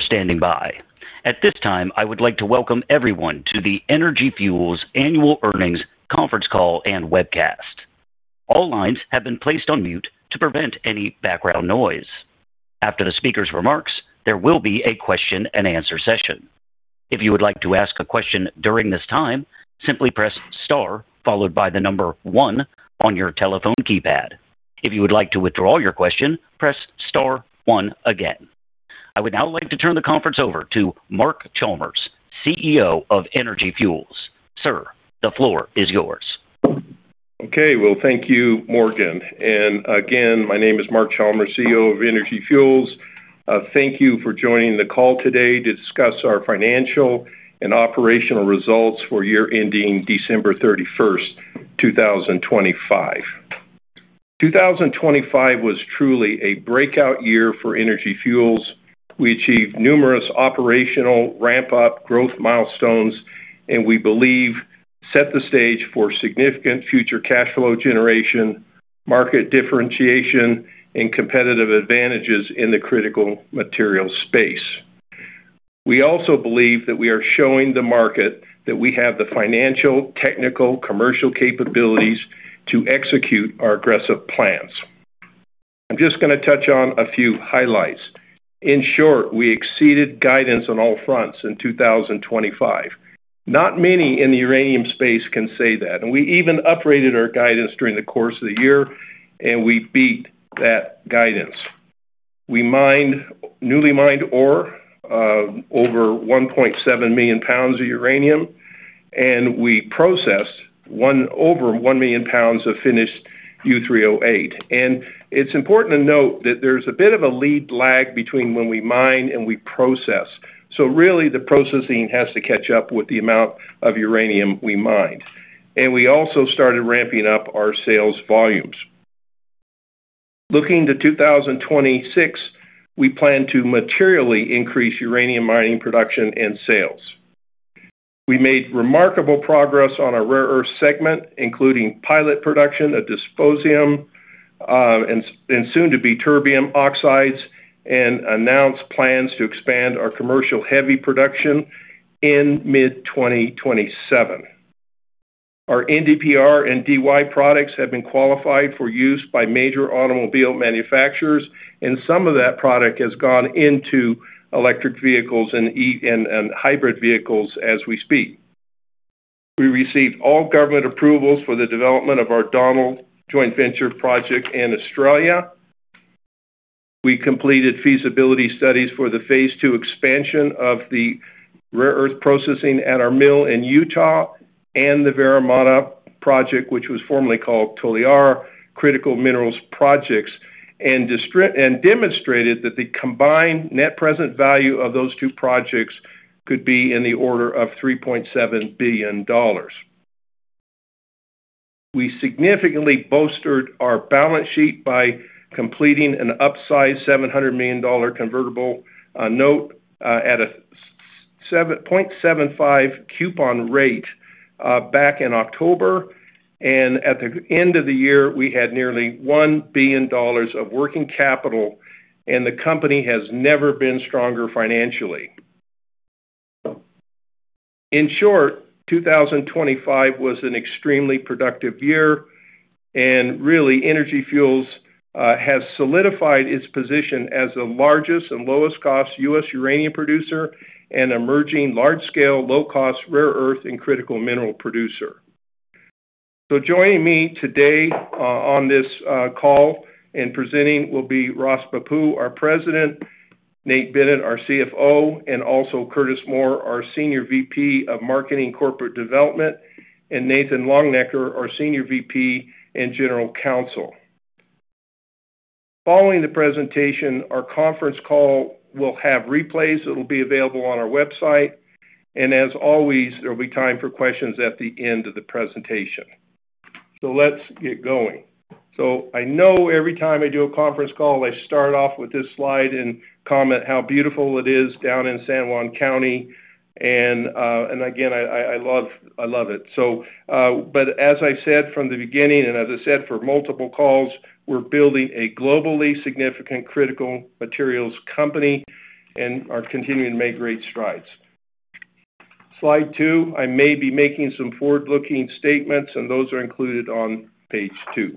For standing by. At this time, I would like to welcome everyone to the Energy Fuels annual earnings conference call and webcast. All lines have been placed on mute to prevent any background noise. After the speaker's remarks, there will be a question and answer session. If you would like to ask a question during this time, simply press star followed by the number one on your telephone keypad. If you would like to withdraw your question, press star one again. I would now like to turn the conference over to Mark Chalmers, CEO of Energy Fuels. Sir, the floor is yours. Okay. Well, thank you, Morgan. Again, my name is Mark Chalmers, CEO of Energy Fuels. Thank you for joining the call today to discuss our financial and operational results for year ending December 31, 2025. 2025 was truly a breakout year for Energy Fuels. We achieved numerous operational ramp-up growth milestones, and we believe set the stage for significant future cash flow generation, market differentiation, and competitive advantages in the critical materials space. We also believe that we are showing the market that we have the financial, technical, commercial capabilities to execute our aggressive plans. I'm just gonna touch on a few highlights. In short, we exceeded guidance on all fronts in 2025. Not many in the uranium space can say that, and we even upgraded our guidance during the course of the year, and we beat that guidance. We newly mined ore, over 1.7 million pounds of uranium, we processed over 1 million pounds of finished U308. It's important to note that there's a bit of a lead lag between when we mine and we process. Really, the processing has to catch up with the amount of uranium we mined. We also started ramping up our sales volumes. Looking to 2026, we plan to materially increase uranium mining production and sales. We made remarkable progress on our rare earth segment, including pilot production at Dysprosium and soon to be Terbium oxides, announced plans to expand our commercial heavy production in mid 2027. Our NdPr and Dy products have been qualified for use by major automobile manufacturers, and some of that product has gone into electric vehicles and hybrid vehicles as we speak. We received all government approvals for the development of our Donald joint venture project in Australia. We completed feasibility studies for the phase two expansion of the rare earth processing at our mill in Utah and the Vara Mada project, which was formerly called Toliara Project, and demonstrated that the combined net present value of those two projects could be in the order of $3.7 billion. We significantly bolstered our balance sheet by completing an upsize $700 million convertible note at a 7.75% coupon rate back in October. At the end of the year, we had nearly $1 billion of working capital, and the company has never been stronger financially. In short, 2025 was an extremely productive year, and really, Energy Fuels has solidified its position as the largest and lowest cost U.S. uranium producer and emerging large scale, low cost, rare earth, and critical mineral producer. Joining me today on this call and presenting will be Ross Bhappu, our President, Nate Bennett, our CFO, and also Curtis Moore, our Senior VP of Marketing Corporate Development, and Nathan Longenecker, our Senior VP and General Counsel. Following the presentation, our conference call will have replays that'll be available on our website. As always, there'll be time for questions at the end of the presentation. Let's get going. I know every time I do a conference call, I start off with this slide and comment how beautiful it is down in San Juan County. Again, I love it. As I said from the beginning and as I said for multiple calls, we're building a globally significant critical materials company and are continuing to make great strides. Slide 2. I may be making some forward-looking statements, and those are included on page 2.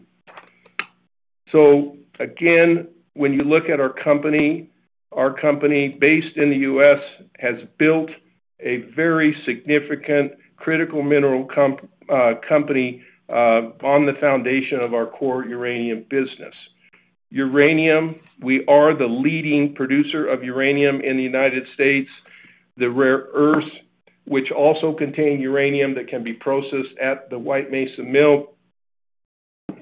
Again, when you look at our company, our company based in the U.S., has built a very significant critical mineral company on the foundation of our core uranium business. Uranium, we are the leading producer of uranium in the United States. The rare earths, which also contain uranium that can be processed at the White Mesa Mill,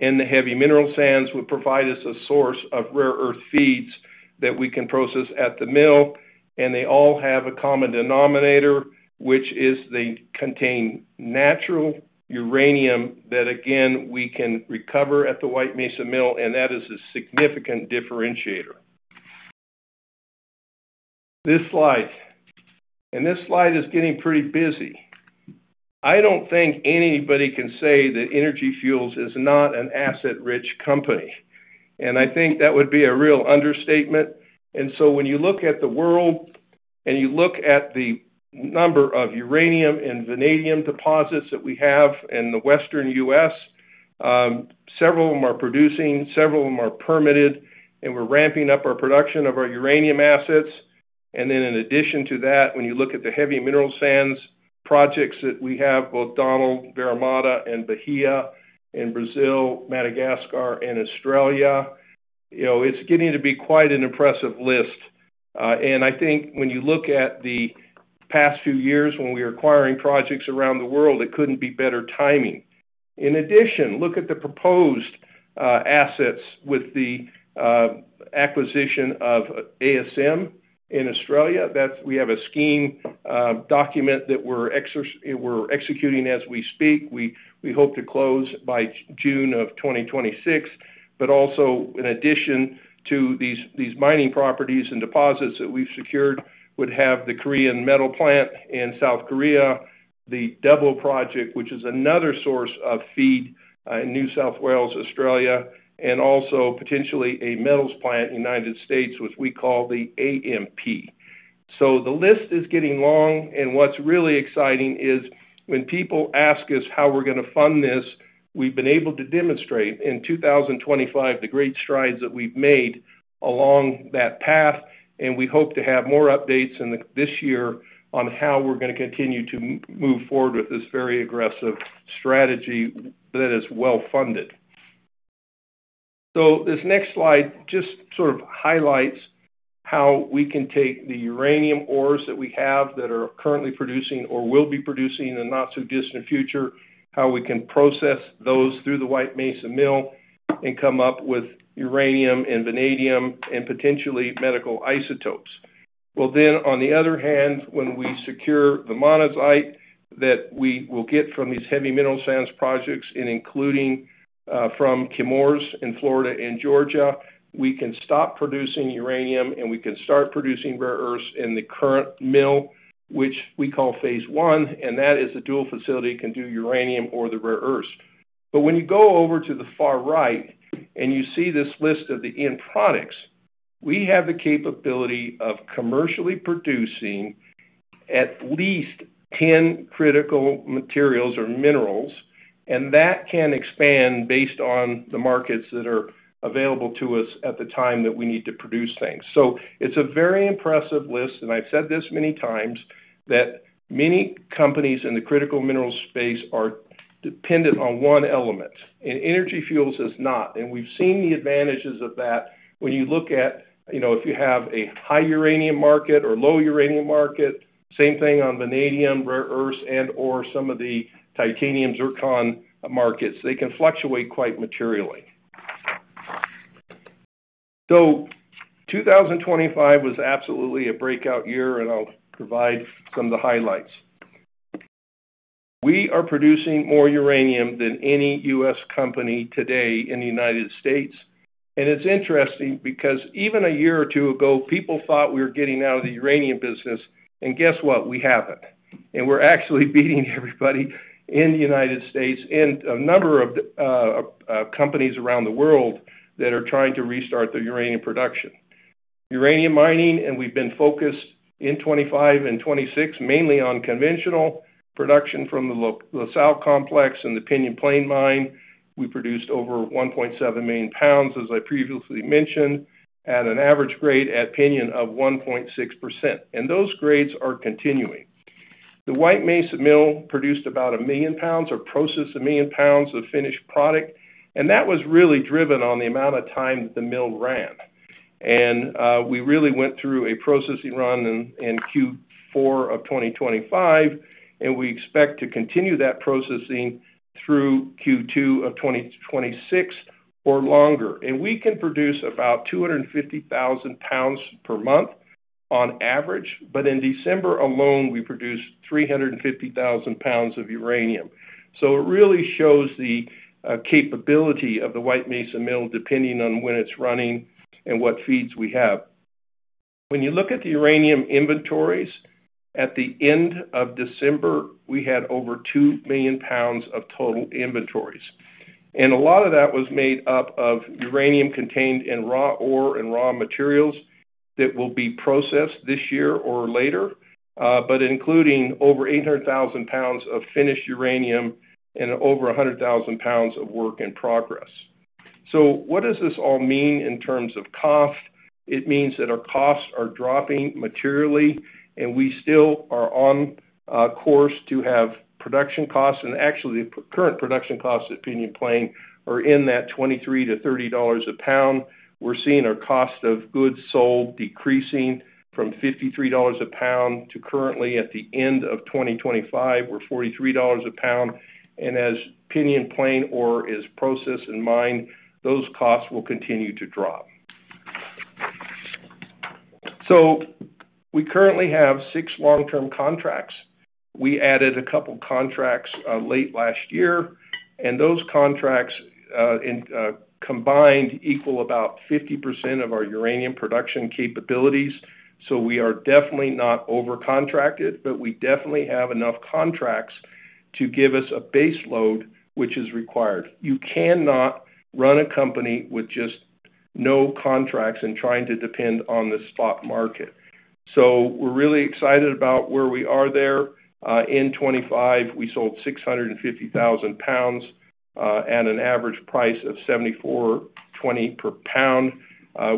and the heavy mineral sands would provide us a source of rare earth feeds that we can process at the mill. They all have a common denominator, which is they contain natural uranium that again, we can recover at the White Mesa Mill, and that is a significant differentiator. This slide. This slide is getting pretty busy. I don't think anybody can say that Energy Fuels is not an asset-rich company, and I think that would be a real understatement. When you look at the world and you look at the number of uranium and vanadium deposits that we have in the Western U.S., several of them are producing, several of them are permitted, and we're ramping up our production of our uranium assets. In addition to that, when you look at the heavy mineral sands projects that we have, both Donald, Vara Mada, and Bahia in Brazil, Madagascar, and Australia, you know, it's getting to be quite an impressive list. I think when you look at the past few years when we were acquiring projects around the world, it couldn't be better timing. In addition, look at the proposed assets with the acquisition of ASM in Australia. We have a scheme document that we're executing as we speak. We hope to close by June of 2026. In addition to these mining properties and deposits that we've secured, would have the Korean Metals Plant in South Korea, the Dubbo Project, which is another source of feed in New South Wales, Australia, and also potentially a metals plant in United States, which we call the AMP. The list is getting long, and what's really exciting is when people ask us how we're gonna fund this, we've been able to demonstrate in 2025 the great strides that we've made along that path, and we hope to have more updates in this year on how we're gonna continue to move forward with this very aggressive strategy that is well-funded. This next slide just sort of highlights how we can take the uranium ores that we have that are currently producing or will be producing in the not-so-distant future, how we can process those through the White Mesa Mill and come up with uranium and vanadium and potentially medical isotopes. On the other hand, when we secure the monazite that we will get from these heavy mineral sands projects and including from Chemours in Florida and Georgia, we can stop producing uranium, and we can start producing rare earths in the current mill, which we call phase 1, and that is a dual facility, it can do uranium or the rare earths. When you go over to the far right and you see this list of the end products, we have the capability of commercially producing at least 10 critical materials or minerals, and that can expand based on the markets that are available to us at the time that we need to produce things. It's a very impressive list, and I've said this many times, that many companies in the critical minerals space are dependent on one element, and Energy Fuels is not. We've seen the advantages of that when you look at, you know, if you have a high uranium market or low uranium market, same thing on vanadium, rare earths, and/or some of the titanium zircon markets. They can fluctuate quite materially. 2025 was absolutely a breakout year, and I'll provide some of the highlights. We are producing more uranium than any U.S. company today in the United States. It's interesting because even a year or two ago, people thought we were getting out of the uranium business. Guess what? We haven't. We're actually beating everybody in the United States and a number of companies around the world that are trying to restart their uranium production. Uranium mining. We've been focused in 2025 and 2026 mainly on conventional production from the La Sal Complex and the Pinyon Plain Mine. We produced over 1.7 million pounds, as I previously mentioned, at an average grade at Pinyon of 1.6%. Those grades are continuing. The White Mesa Mill produced about 1 million pounds or processed 1 million pounds of finished product. That was really driven on the amount of time the mill ran. We really went through a processing run in Q4 of 2025, and we expect to continue that processing through Q2 of 2026 or longer. We can produce about 250,000 pounds per month on average. In December alone, we produced 350,000 pounds of uranium. It really shows the capability of the White Mesa Mill, depending on when it's running and what feeds we have. When you look at the uranium inventories, at the end of December, we had over 2 million pounds of total inventories. A lot of that was made up of uranium contained in raw ore and raw materials that will be processed this year or later, but including over 800,000 pounds of finished uranium and over 100,000 pounds of work in progress. What does this all mean in terms of cost? It means that our costs are dropping materially, and we still are on course to have production costs. Actually, the current production costs at Pinyon Plain are in that $23-$30 a pound. We're seeing our cost of goods sold decreasing from $53 a pound to currently at the end of 2025, we're $43 a pound. As Pinyon Plain ore is processed and mined, those costs will continue to drop. We currently have six long-term contracts. We added a couple contracts late last year, and those contracts and combined equal about 50% of our uranium production capabilities. We are definitely not over-contracted, but we definitely have enough contracts to give us a base load which is required. You cannot run a company with just no contracts and trying to depend on the spot market. We're really excited about where we are there. In 2025, we sold 650,000 pounds at an average price of $74.20 per pound.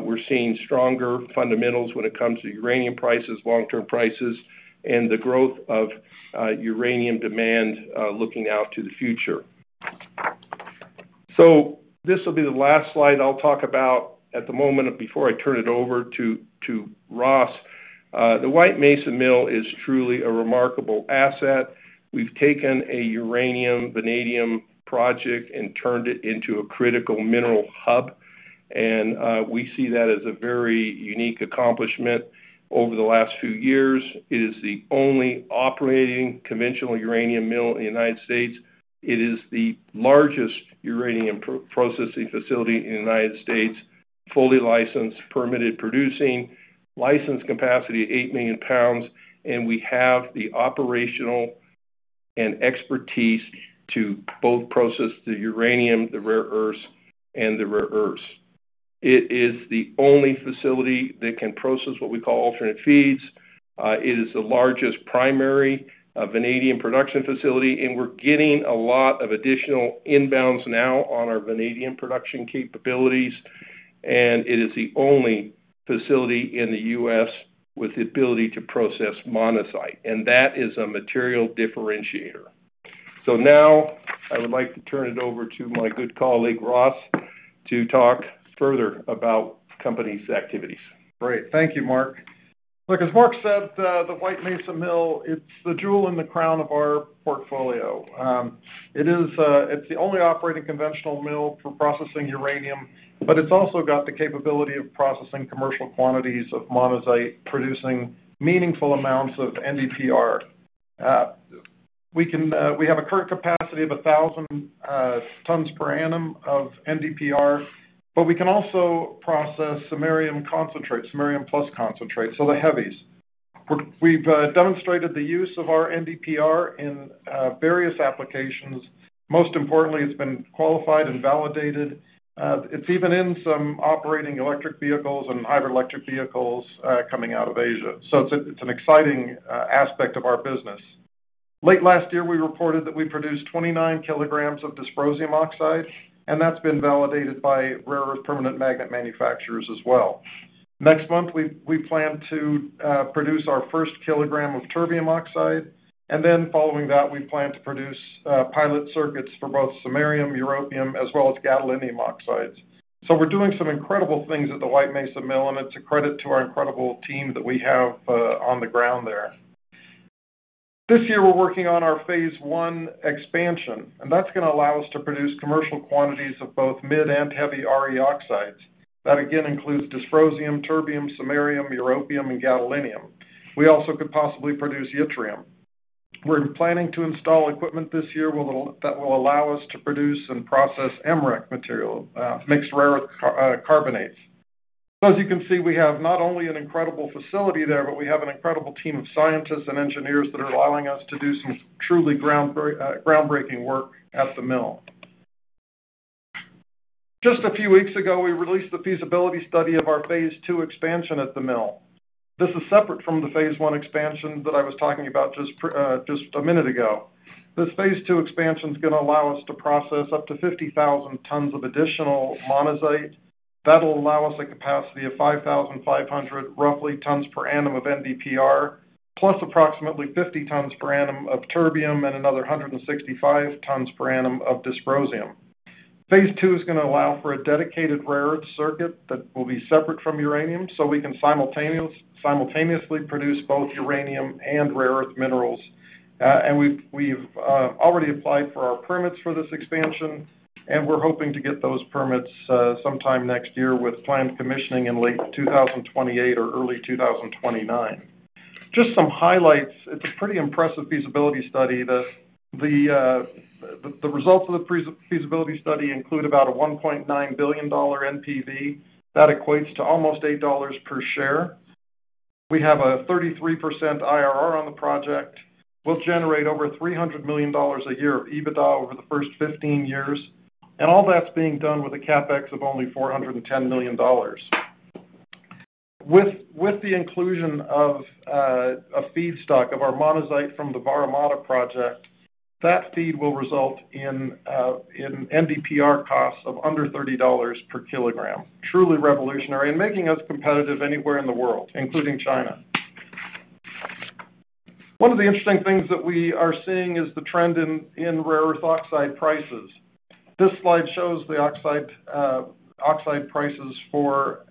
We're seeing stronger fundamentals when it comes to uranium prices, long-term prices, and the growth of uranium demand looking out to the future. This will be the last slide I'll talk about at the moment before I turn it over to Ross. The White Mesa Mill is truly a remarkable asset. We've taken a uranium, vanadium project and turned it into a critical mineral hub, and we see that as a very unique accomplishment over the last few years. It is the only operating conventional uranium mill in the United States. It is the largest uranium processing facility in the U.S., fully licensed, permitted, producing. License capacity, 8 million pounds, we have the operational and expertise to both process the uranium, the rare earths. It is the only facility that can process what we call alternate feeds. It is the largest primary vanadium production facility, we're getting a lot of additional inbounds now on our vanadium production capabilities. It is the only facility in the U.S. with the ability to process monazite, and that is a material differentiator. Now I would like to turn it over to my good colleague, Ross, to talk further about the company's activities. Great. Thank you, Mark. Look, as Mark said, the White Mesa Mill, it's the jewel in the crown of our portfolio. It is, it's the only operating conventional mill for processing uranium, but it's also got the capability of processing commercial quantities of monazite, producing meaningful amounts of NdPr. We can, we have a current capacity of 1,000 tons per annum of NdPr, but we can also process Sm-plus concentrate, so the heavies. We've demonstrated the use of our NdPr in various applications. Most importantly, it's been qualified and validated. It's even in some operating electric vehicles and hybrid electric vehicles coming out of Asia, so it's a, it's an exciting aspect of our business. Late last year, we reported that we produced 29 kg of Dysprosium oxide, that's been validated by rare earth permanent magnet manufacturers as well. Next month, we plan to produce our first kilogram of Terbium oxide. Following that, we plan to produce pilot circuits for both samarium, europium, as well as gadolinium oxides. We're doing some incredible things at the White Mesa Mill, it's a credit to our incredible team that we have on the ground there. This year, we're working on our Phase 1 expansion, that's gonna allow us to produce commercial quantities of both mid and heavy RE oxides. That again includes Dysprosium, Terbium, samarium, europium, and gadolinium. We also could possibly produce yttrium. We're planning to install equipment this year that will allow us to produce and process MREC material, mixed rare earth carbonates. As you can see, we have not only an incredible facility there, but we have an incredible team of scientists and engineers that are allowing us to do some truly groundbreaking work at the mill. Just a few weeks ago, we released the feasibility study of our phase 2 expansion at the mill. This is separate from the phase 1 expansion that I was talking about just a minute ago. This phase two expansion's gonna allow us to process up to 50,000 tons of additional monazite. That'll allow us a capacity of 5,500, roughly, tons per annum of NdPr, plus approximately 50 tons per annum of terbium and another 165 tons per annum of dysprosium. Phase 2 is gonna allow for a dedicated rare earth circuit that will be separate from uranium, so we can simultaneously produce both uranium and rare earth minerals. We've already applied for our permits for this expansion, and we're hoping to get those permits sometime next year with planned commissioning in late 2028 or early 2029. Just some highlights. It's a pretty impressive feasibility study. The results of the feasibility study include about a $1.9 billion NPV. That equates to almost $8 per share. We have a 33% IRR on the project. We'll generate over $300 million a year of EBITDA over the first 15 years. All that's being done with a CapEx of only $410 million. With the inclusion of a feedstock of our monazite from the Vara Mada project, that feed will result in NdPr costs of under $30 per kilogram. Truly revolutionary and making us competitive anywhere in the world, including China. One of the interesting things that we are seeing is the trend in rare earth oxide prices. This slide shows the oxide prices for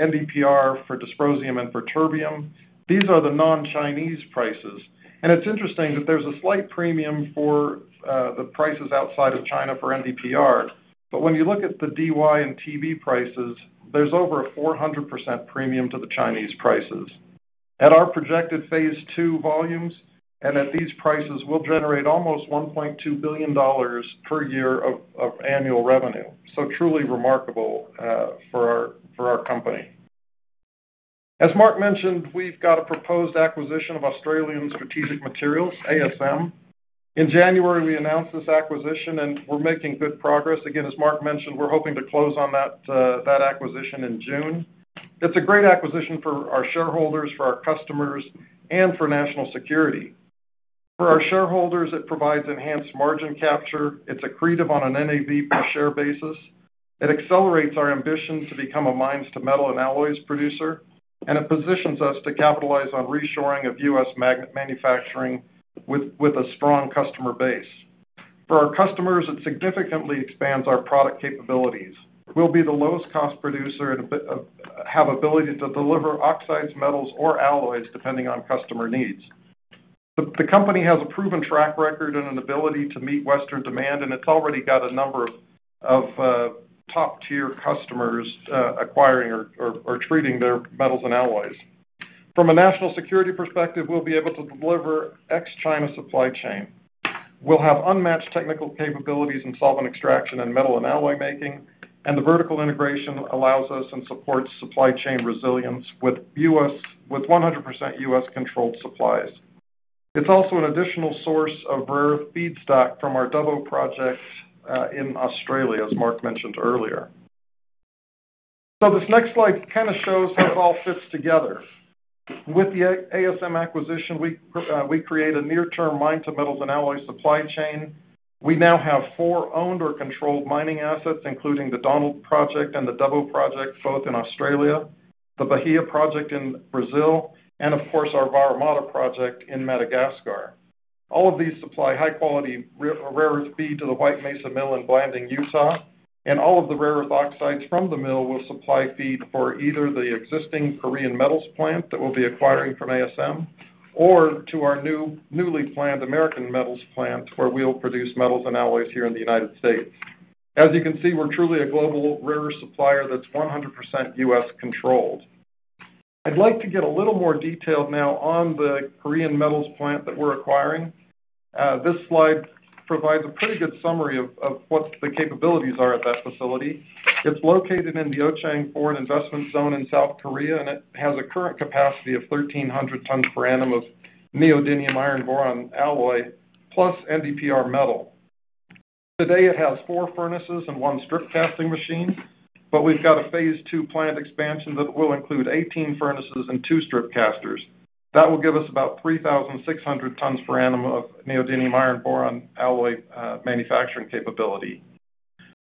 NdPr for dysprosium and for terbium. These are the non-Chinese prices. It's interesting that there's a slight premium for the prices outside of China for NdPr. When you look at the Dy and Tb prices, there's over a 400% premium to the Chinese prices. At our projected phase 2 volumes and at these prices, we'll generate almost $1.2 billion per year of annual revenue. Truly remarkable for our company. As Mark Chalmers mentioned, we've got a proposed acquisition of Australian Strategic Materials, ASM. In January, we announced this acquisition, and we're making good progress. Again, as Mark Chalmers mentioned, we're hoping to close on that acquisition in June. It's a great acquisition for our shareholders, for our customers, and for national security. For our shareholders, it provides enhanced margin capture. It's accretive on an NAV per share basis. It accelerates our ambition to become a mines to metal and alloys producer, it positions us to capitalize on reshoring of U.S. manufacturing with a strong customer base. For our customers, it significantly expands our product capabilities. We'll be the lowest cost producer and have ability to deliver oxides, metals, or alloys depending on customer needs. The company has a proven track record and an ability to meet Western demand, and it's already got a number of top-tier customers acquiring or treating their metals and alloys. From a national security perspective, we'll be able to deliver ex-China supply chain. We'll have unmatched technical capabilities in solvent extraction and metal and alloy making, and the vertical integration allows us and supports supply chain resilience with 100% U.S.-controlled supplies. It's also an additional source of rare feedstock from our Dubbo Project in Australia, as Mark mentioned earlier. This next slide kinda shows how it all fits together. With the ASM acquisition, we create a near-term mine to metals and alloys supply chain. We now have four owned or controlled mining assets, including the Donald Project and the Dubbo Project, both in Australia, the Bahia Project in Brazil, and of course, our Vara Mada Project in Madagascar. All of these supply high-quality rare earth feed to the White Mesa Mill in Blanding, Utah, and all of the rare earth oxides from the mill will supply feed for either the existing Korean Metals plant that we'll be acquiring from ASM or to our newly planned American Metals plant, where we'll produce metals and alloys here in the United States. As you can see, we're truly a global rare earth supplier that's 100% U.S.-controlled. I'd like to get a little more detailed now on the Korean Metals plant that we're acquiring. This slide provides a pretty good summary of what the capabilities are at that facility. It's located in the Ochang Foreign Investment Zone in South Korea. It has a current capacity of 1,300 tons per annum of neodymium iron boron alloy, plus NdPr metal. Today, it has 4 furnaces and 1 strip casting machine. We've got a phase 2 plant expansion that will include 18 furnaces and 2 strip casters. That will give us about 3,600 tons per annum of neodymium iron boron alloy manufacturing capability.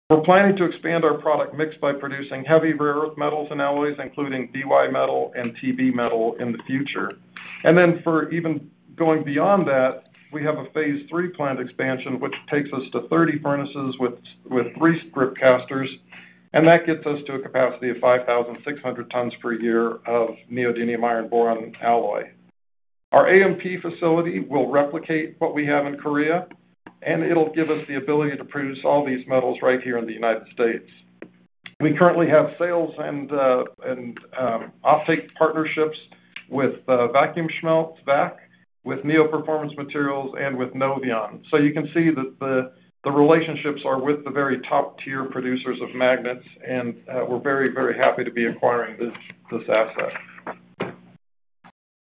We're planning to expand our product mix by producing heavy rare earth metals and alloys, including Dy metal and Tb metal in the future. For even going beyond that, we have a phase 3 plant expansion, which takes us to 30 furnaces with 3 strip casters, and that gets us to a capacity of 5,600 tons per year of neodymium iron boron alloy. Our AMP facility will replicate what we have in Korea, and it'll give us the ability to produce all these metals right here in the United States. We currently have sales and off-take partnerships with Vacuumschmelze VAC, with Neo Performance Materials, and with Noveon. You can see that the relationships are with the very top-tier producers of magnets, and we're very, very happy to be acquiring this asset.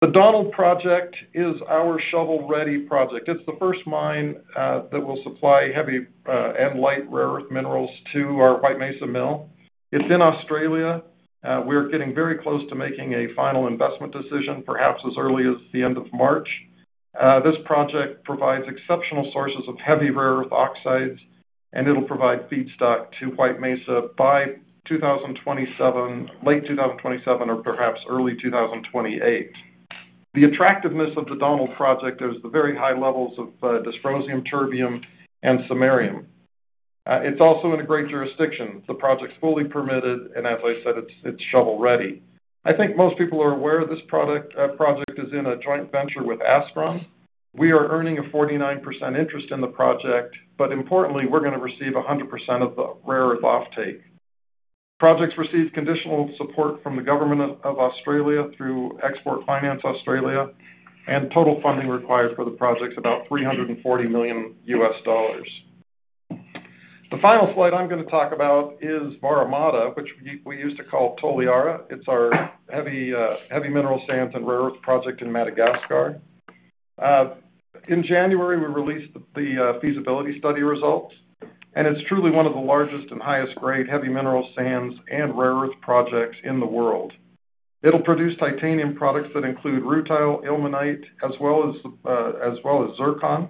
The Donald Project is our shovel-ready project. It's the first mine that will supply heavy and light rare earth minerals to our White Mesa Mill. It's in Australia. We're getting very close to making a final investment decision, perhaps as early as the end of March. This project provides exceptional sources of heavy rare earth oxides, and it'll provide feedstock to White Mesa by 2027, late 2027 or perhaps early 2028. The attractiveness of The Donald Project is the very high levels of dysprosium, terbium, and samarium. It's also in a great jurisdiction. The project's fully permitted, as I said, it's shovel-ready. I think most people are aware this project is in a joint venture with Astron. We are earning a 49% interest in the project, importantly, we're gonna receive a 100% of the rare earth off-take. Project's received conditional support from the government of Australia through Export Finance Australia, total funding required for the project is about $340 million. The final slide I'm gonna talk about is Vara Mada, which we used to call Toliara Project. It's our heavy mineral sands and rare earth project in Madagascar. In January, we released the feasibility study results, it's truly one of the largest and highest grade heavy mineral sands and rare earth projects in the world. It'll produce titanium products that include rutile, ilmenite, as well as zircon,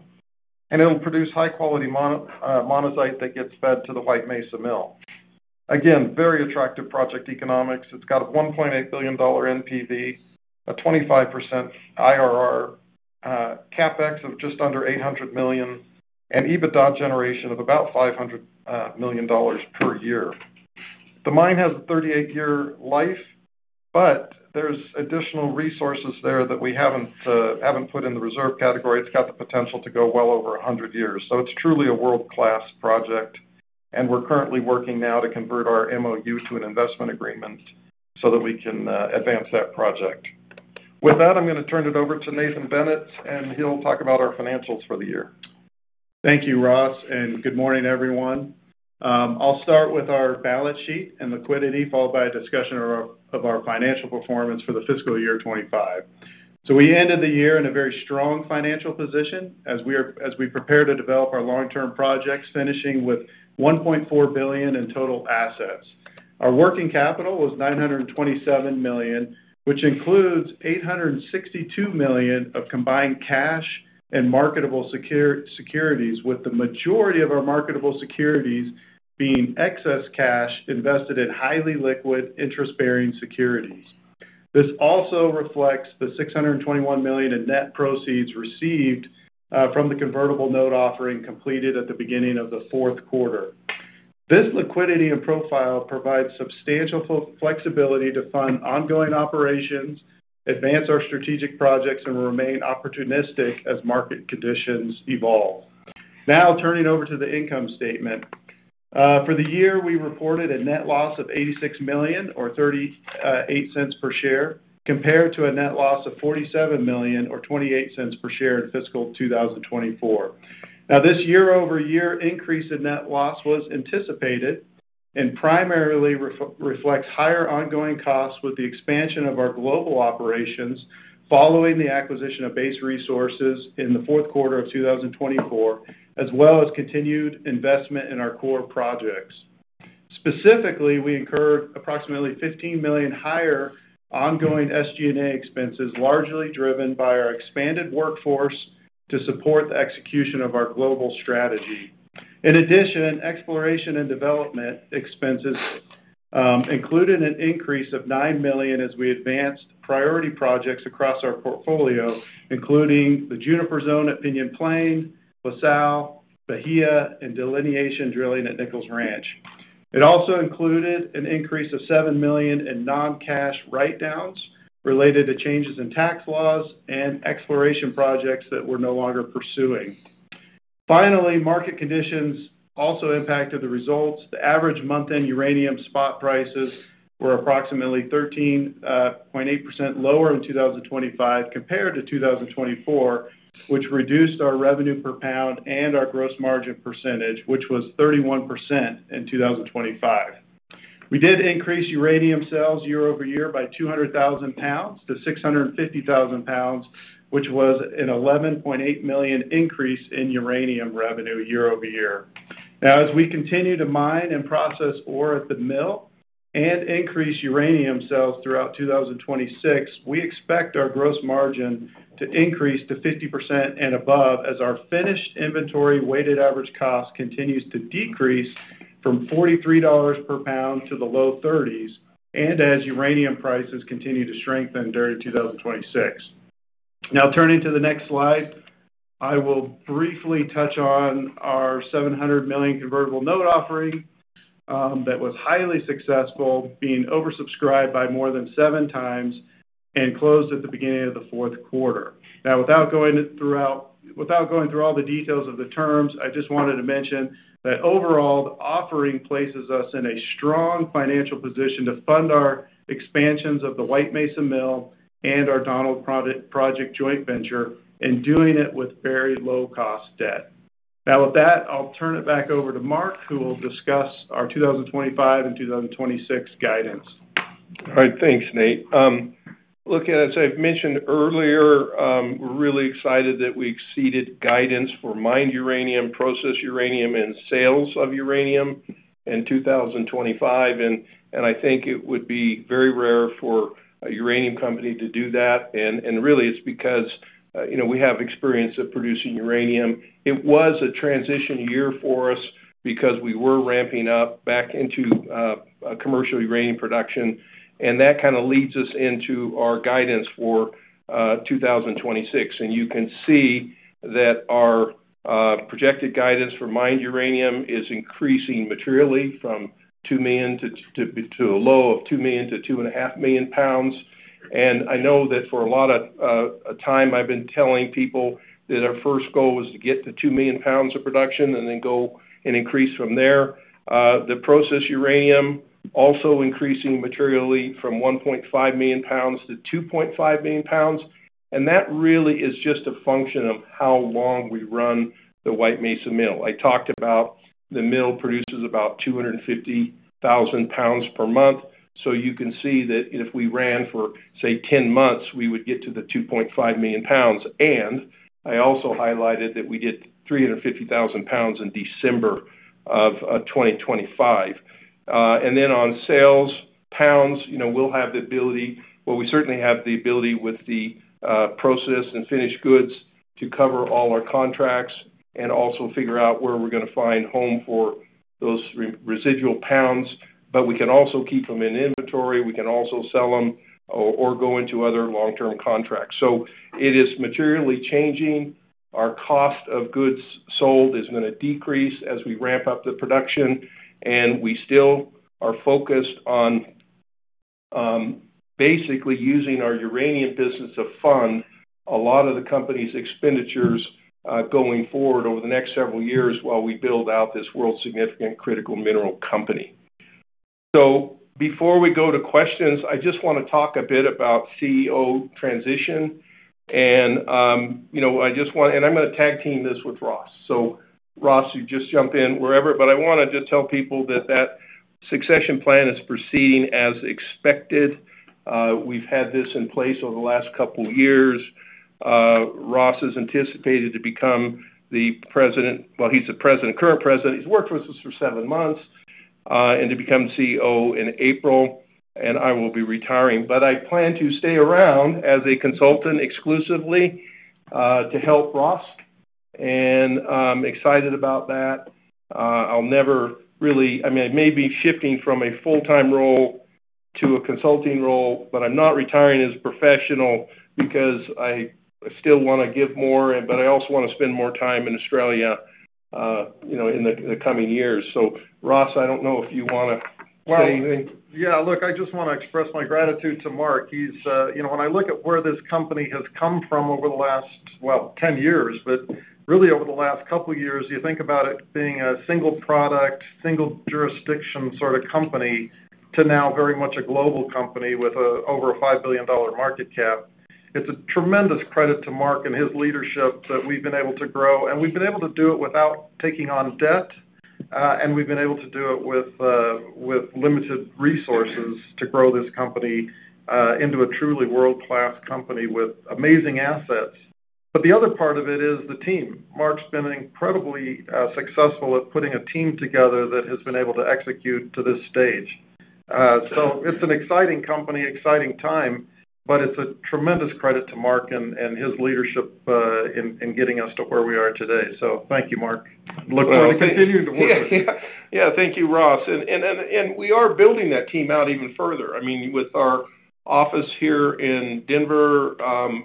it'll produce high-quality monazite that gets fed to the White Mesa Mill. Again, very attractive project economics. It's got a $1.8 billion NPV, a 25% IRR, CapEx of just under $800 million, and EBITDA generation of about $500 million per year. The mine has a 38-year life, but there's additional resources there that we haven't put in the reserve category. It's got the potential to go well over 100 years. It's truly a world-class project, and we're currently working now to convert our MOU to an investment agreement. That we can advance that project. With that, I'm gonna turn it over to Nathan Bennett, and he'll talk about our financials for the year. Thank you, Ross, and good morning, everyone. I'll start with our balance sheet and liquidity, followed by a discussion of our financial performance for the fiscal year 2025. We ended the year in a very strong financial position as we prepare to develop our long-term projects, finishing with $1.4 billion in total assets. Our working capital was $927 million, which includes $862 million of combined cash and marketable securities, with the majority of our marketable securities being excess cash invested in highly liquid interest-bearing securities. This also reflects the $621 million in net proceeds received from the convertible note offering completed at the beginning of the fourth quarter. This liquidity and profile provides substantial flexibility to fund ongoing operations, advance our strategic projects, and remain opportunistic as market conditions evolve. Turning over to the income statement. For the year, we reported a net loss of $86 million or $0.38 per share compared to a net loss of $47 million or $0.28 per share in fiscal 2024. This year-over-year increase in net loss was anticipated and primarily reflects higher ongoing costs with the expansion of our global operations following the acquisition of Base Resources in the fourth quarter of 2024, as well as continued investment in our core projects. Specifically, we incurred approximately $15 million higher ongoing SG&A expenses, largely driven by our expanded workforce to support the execution of our global strategy. In addition, exploration and development expenses included an increase of $9 million as we advanced priority projects across our portfolio, including the Juniper Zone at Pinyon Plain, La Sal, Bahia, and delineation drilling at Nichols Ranch. It also included an increase of $7 million in non-cash write-downs related to changes in tax laws and exploration projects that we're no longer pursuing. Finally, market conditions also impacted the results. The average month-end uranium spot prices were approximately 13.8% lower in 2025 compared to 2024, which reduced our revenue per pound and our gross margin percentage, which was 31% in 2025. We did increase uranium sales year-over-year by 200,000 pounds to 650,000 pounds, which was an $11.8 million increase in uranium revenue year-over-year. As we continue to mine and process ore at the mill and increase uranium sales throughout 2026, we expect our gross margin to increase to 50% and above as our finished inventory weighted average cost continues to decrease from $43 per pound to the low 30s and as uranium prices continue to strengthen during 2026. Turning to the next slide, I will briefly touch on our $700 million convertible note offering that was highly successful, being oversubscribed by more than 7 times and closed at the beginning of the fourth quarter. Now without going through all the details of the terms, I just wanted to mention that overall, the offering places us in a strong financial position to fund our expansions of the White Mesa Mill and our Donald Project joint venture and doing it with very low cost debt. Now with that, I'll turn it back over to Mark, who will discuss our 2025 and 2026 guidance. All right. Thanks, Nate. Look, as I've mentioned earlier, we're really excited that we exceeded guidance for mined uranium, processed uranium, and sales of uranium in 2025. I think it would be very rare for a uranium company to do that. Really it's because, you know, we have experience of producing uranium. It was a transition year for us because we were ramping up back into a commercial uranium production, and that kinda leads us into our guidance for 2026. You can see that our projected guidance for mined uranium is increasing materially from 2 million to a low of 2 million to 2.5 million pounds. I know that for a lot of time I've been telling people that our first goal was to get to 2 million pounds of production and then go and increase from there. The processed uranium also increasing materially from 1.5 million pounds to 2.5 million pounds, and that really is just a function of how long we run the White Mesa Mill. I talked about the mill produces about 250,000 pounds per month. You can see that if we ran for, say, 10 months, we would get to the 2.5 million pounds. I also highlighted that we did 350,000 pounds in December of 2025. Then on sales pounds, you know, Well, we certainly have the ability with the processed and finished goods to cover all our contracts and also figure out where we're gonna find home for those re-residual pounds. We can also keep them in inventory, we can also sell them or go into other long-term contracts. It is materially changing. Our cost of goods sold is gonna decrease as we ramp up the production, and we still are focused on Basically using our uranium business to fund a lot of the company's expenditures, going forward over the next several years while we build out this world significant critical mineral company. Before we go to questions, I just wanna talk a bit about CEO transition and, you know, I'm gonna tag team this with Ross. Ross, you just jump in wherever, but I wanna just tell people that that succession plan is proceeding as expected. We've had this in place over the last couple years. Ross is anticipated to become the President. Well, he's the President, current President. He's worked with us for seven months, and to become CEO in April, and I will be retiring. I plan to stay around as a consultant exclusively, to help Ross, and I'm excited about that. I mean, I may be shifting from a full-time role to a consulting role, but I'm not retiring as a professional because I still want to give more, but I also wanna spend more time in Australia, you know, in the coming years. Ross, I don't know if you wanna say anything. Well, yeah, look, I just want to express my gratitude to Mark. He's, you know, when I look at where this company has come from over the last, well, 10 years, but really over the last couple of years, you think about it being a single product, single jurisdiction sort of company, to now very much a global company with over a $5 billion market cap. It's a tremendous credit to Mark and his leadership that we've been able to grow, and we've been able to do it without taking on debt, and we've been able to do it with limited resources to grow this company into a truly world-class company with amazing assets. But the other part of it is the team. Mark's been incredibly successful at putting a team together that has been able to execute to this stage. It's an exciting company, exciting time, but it's a tremendous credit to Mark and his leadership, getting us to where we are today. Thank you, Mark. Look forward to continuing to work with you. Yeah. Yeah. Thank you, Ross. We are building that team out even further. I mean, with our office here in Denver,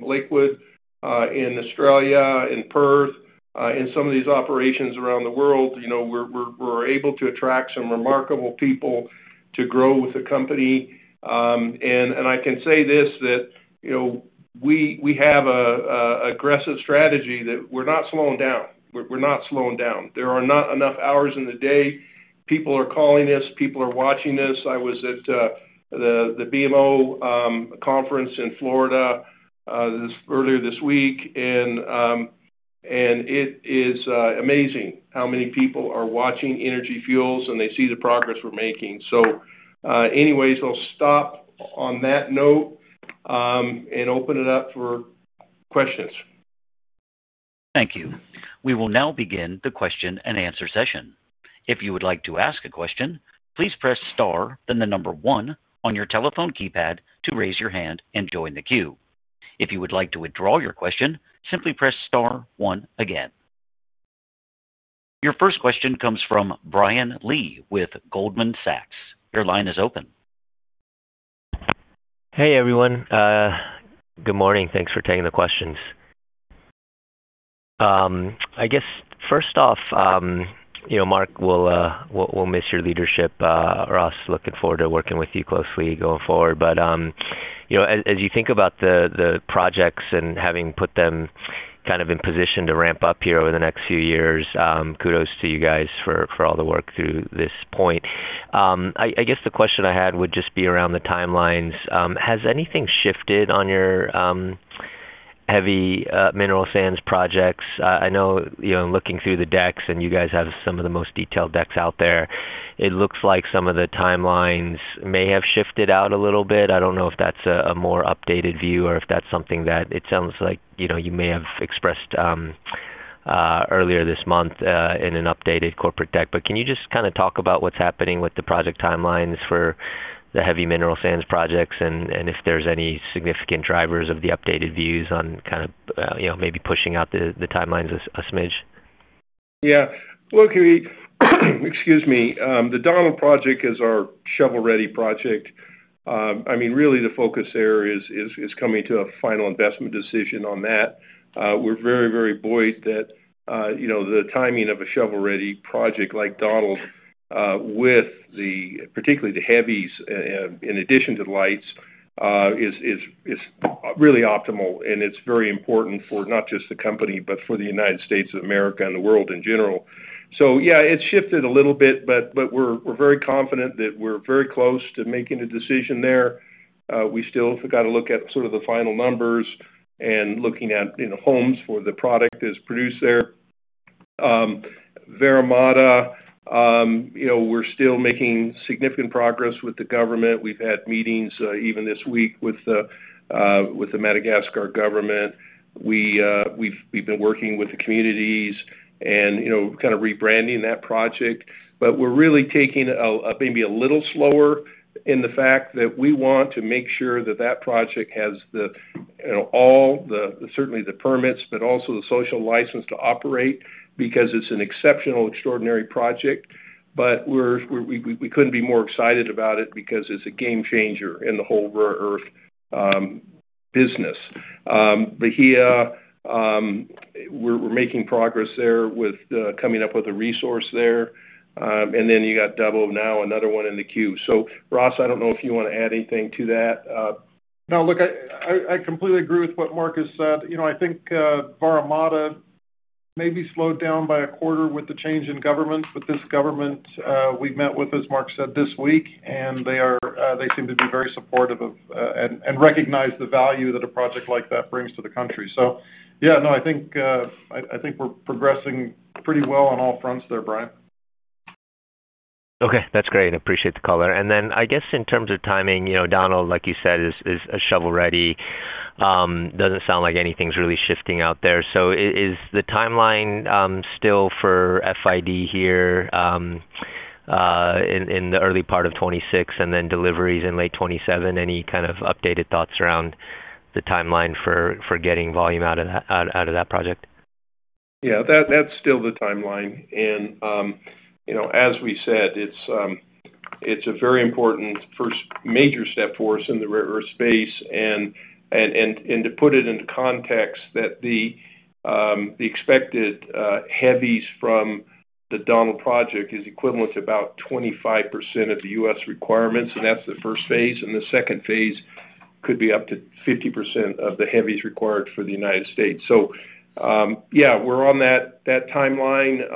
Lakewood, in Australia, in Perth, in some of these operations around the world, you know, we're able to attract some remarkable people to grow with the company. I can say this, that, you know, we have a aggressive strategy that we're not slowing down. We're not slowing down. There are not enough hours in the day. People are calling us. People are watching this. I was at the BMO conference in Florida this earlier this week, it is amazing how many people are watching Energy Fuels, and they see the progress we're making. Anyways, I'll stop on that note, and open it up for questions. Thank you. We will now begin the question and answer session. If you would like to ask a question, please press star, then the number one on your telephone keypad to raise your hand and join the queue. If you would like to withdraw your question, simply press star one again. Your first question comes from Brian Lee with Goldman Sachs. Your line is open. Hey, everyone. good morning. Thanks for taking the questions. I guess first off, you know, Mark, we'll miss your leadership. Ross, looking forward to working with you closely going forward. You know, as you think about the projects and having put them kind of in position to ramp up here over the next few years, kudos to you guys for all the work through this point. I guess the question I had would just be around the timelines. Has anything shifted on your heavy mineral sands projects? I know, you know, looking through the decks, and you guys have some of the most detailed decks out there, it looks like some of the timelines may have shifted out a little bit. I don't know if that's a more updated view or if that's something that it sounds like, you know, you may have expressed earlier this month in an updated corporate deck. Can you just kinda talk about what's happening with the project timelines for the heavy mineral sands projects and if there's any significant drivers of the updated views on kind of, you know, maybe pushing out the timelines a smidge? Look, we excuse me. The Donald Project is our shovel-ready project. I mean, really the focus there is coming to a final investment decision on that. We're very, very buoyed that, you know, the timing of a shovel-ready project like Donald, with the... particularly the heavies, in addition to the lights, is really optimal and it's very important for not just the company, but for the United States of America and the world in general. It's shifted a little bit, but we're very confident that we're very close to making a decision there. We still got to look at sort of the final numbers and looking at, you know, homes for the product that's produced there. Vara Mada, you know, we're still making significant progress with the government. We've had meetings, even this week with the with the Madagascar government. We, we've been working with the communities and, you know, kind of rebranding that project. We're really taking a maybe a little slower in the fact that we want to make sure that that project has the, you know, all the, certainly the permits, but also the social license to operate because it's an exceptional, extraordinary project. We couldn't be more excited about it because it's a game changer in the whole rare earth Business. Bahia, we're making progress there with coming up with a resource there. You got Dubbo now another one in the queue. Ross, I don't know if you wanna add anything to that. No, look, I completely agree with what Mark has said. You know, I think, Vara Mada may be slowed down by a quarter with the change in government. This government, we've met with, as Mark said, this week, and they seem to be very supportive of, and recognize the value that a project like that brings to the country. Yeah, no, I think, I think we're progressing pretty well on all fronts there, Brian. Okay. That's great. Appreciate the color. I guess in terms of timing, you know, Donald, like you said, is a shovel-ready. Doesn't sound like anything's really shifting out there. Is the timeline still for FID here in the early part of 2026 and then deliveries in late 2027? Any kind of updated thoughts around the timeline for getting volume out of that project? Yeah, that's still the timeline. You know, as we said, it's a very important first major step for us in the rare earth space. To put it into context that the expected heavies from the Donald Project is equivalent to about 25% of the U.S. requirements, and that's the first phase. The second phase could be up to 50% of the heavies required for the United States. Yeah, we're on that timeline.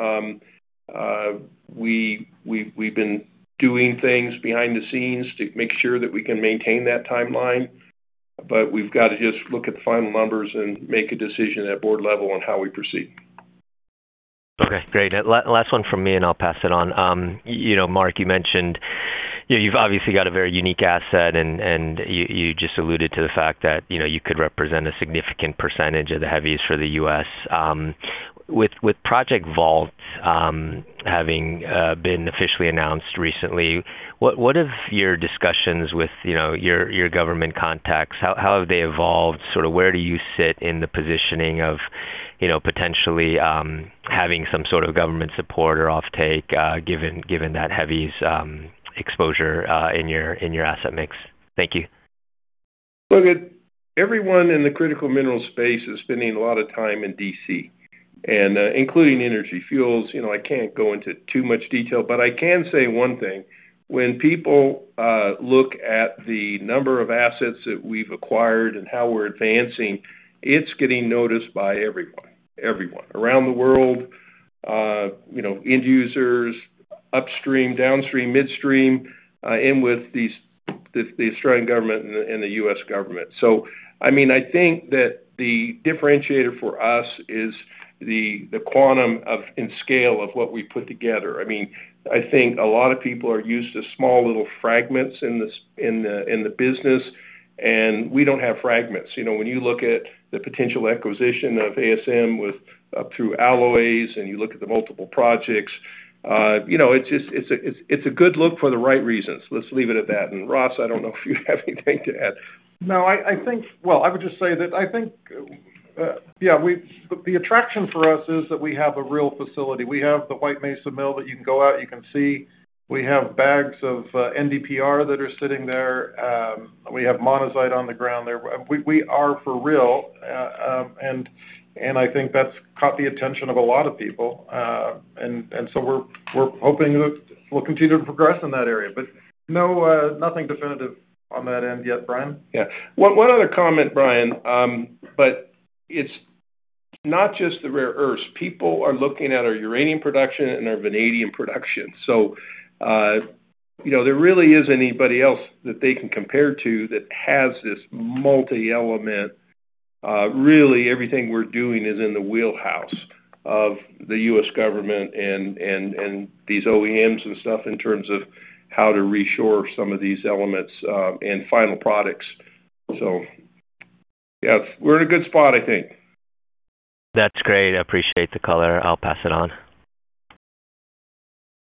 We've been doing things behind the scenes to make sure that we can maintain that timeline, but we've got to just look at the final numbers and make a decision at board level on how we proceed. Okay, great. Last one from me, and I'll pass it on. You know, Mark, you mentioned, you know, you've obviously got a very unique asset and you just alluded to the fact that, you know, you could represent a significant percentage of the heavies for the U.S. with Project Vault having been officially announced recently, what have your discussions with, you know, your government contacts, how have they evolved? Sort of where do you sit in the positioning of, you know, potentially having some sort of government support or offtake, given that heavies exposure in your asset mix? Thank you. Look it, everyone in the critical minerals space is spending a lot of time in D.C. and including Energy Fuels. You know, I can't go into too much detail, but I can say one thing. When people look at the number of assets that we've acquired and how we're advancing, it's getting noticed by everyone around the world, you know, end users, upstream, downstream, midstream, and with these the Australian government and the U.S. government. I mean, I think that the differentiator for us is the quantum of and scale of what we put together. I mean, I think a lot of people are used to small little fragments in the business, and we don't have fragments. You know, when you look at the potential acquisition of ASM with up through alloys and you look at the multiple projects, you know, it's just, it's a good look for the right reasons. Let's leave it at that. Ross, I don't know if you have anything to add. Well, I would just say that I think, yeah, the attraction for us is that we have a real facility. We have the White Mesa Mill that you can go out, you can see. We have bags of NdPr that are sitting there. We have monazite on the ground there. We are for real. I think that's caught the attention of a lot of people. We're hoping that we'll continue to progress in that area. No, nothing definitive on that end yet, Brian. Yeah. One other comment, Brian. It's not just the rare earths. People are looking at our uranium production and our vanadium production. You know, there really isn't anybody else that they can compare to that has this multi-element. Really everything we're doing is in the wheelhouse of the U.S. government and these OEMs and stuff in terms of how to reshore some of these elements and final products. Yeah, we're in a good spot, I think. That's great. I appreciate the color. I'll pass it on.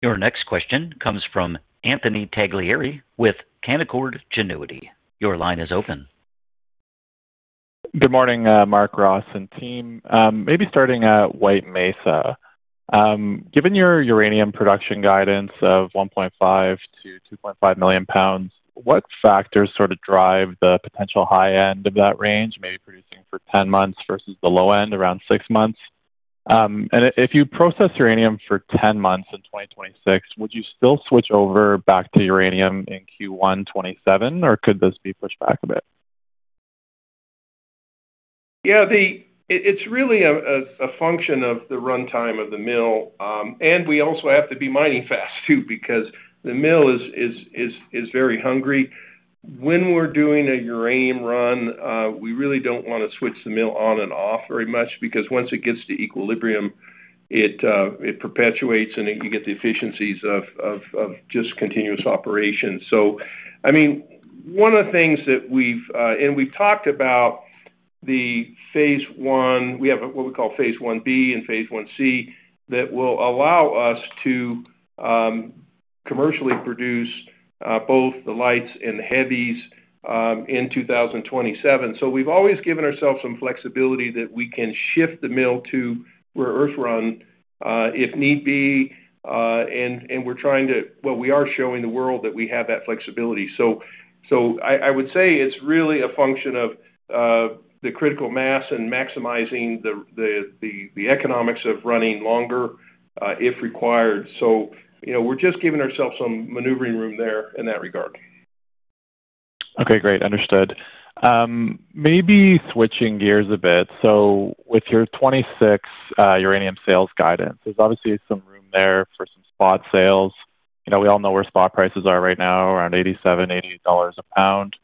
Your next question comes from Anthony Tagliaferri with Canaccord Genuity. Your line is open. Good morning, Mark, Ross, and team. Maybe starting at White Mesa. Given your uranium production guidance of 1.5 million-2.5 million pounds, what factors sort of drive the potential high end of that range, maybe producing for 10 months versus the low end around six months? If you process uranium for 10 months in 2026, would you still switch over back to uranium in Q1 2027, or could this be pushed back a bit? Yeah, it's really a function of the runtime of the mill. We also have to be mining fast too because the mill is very hungry. When we're doing a uranium run, we really don't wanna switch the mill on and off very much because once it gets to equilibrium, it perpetuates, and you get the efficiencies of just continuous operations. I mean, one of the things that we've... We've talked about Phase 1. We have what we call Phase 1B and Phase 1C that will allow us to commercially produce both the lights and the heavies in 2027. We've always given ourselves some flexibility that we can shift the mill to rare earth run, if need be. We're trying to... Well, we are showing the world that we have that flexibility. I would say it's really a function of the critical mass and maximizing the economics of running longer if required. You know, we're just giving ourselves some maneuvering room there in that regard. Okay, great. Understood. Maybe switching gears a bit. With your 2026 uranium sales guidance, there's obviously some room there for some spot sales. You know, we all know where spot prices are right now, around $87, $80 a pound.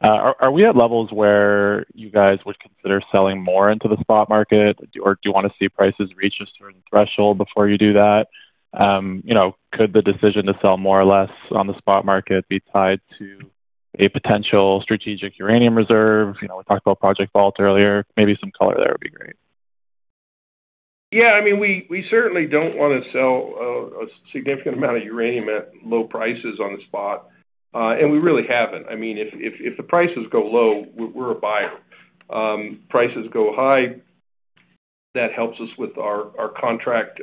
Are we at levels where you guys would consider selling more into the spot market or do you want to see prices reach a certain threshold before you do that? You know, could the decision to sell more or less on the spot market be tied to a potential strategic uranium reserve? You know, we talked about Project Vault earlier. Maybe some color there would be great. Yeah, I mean, we certainly don't want to sell a significant amount of uranium at low prices on the spot, and we really haven't. I mean, if the prices go low, we're a buyer. Prices go high, that helps us with our contract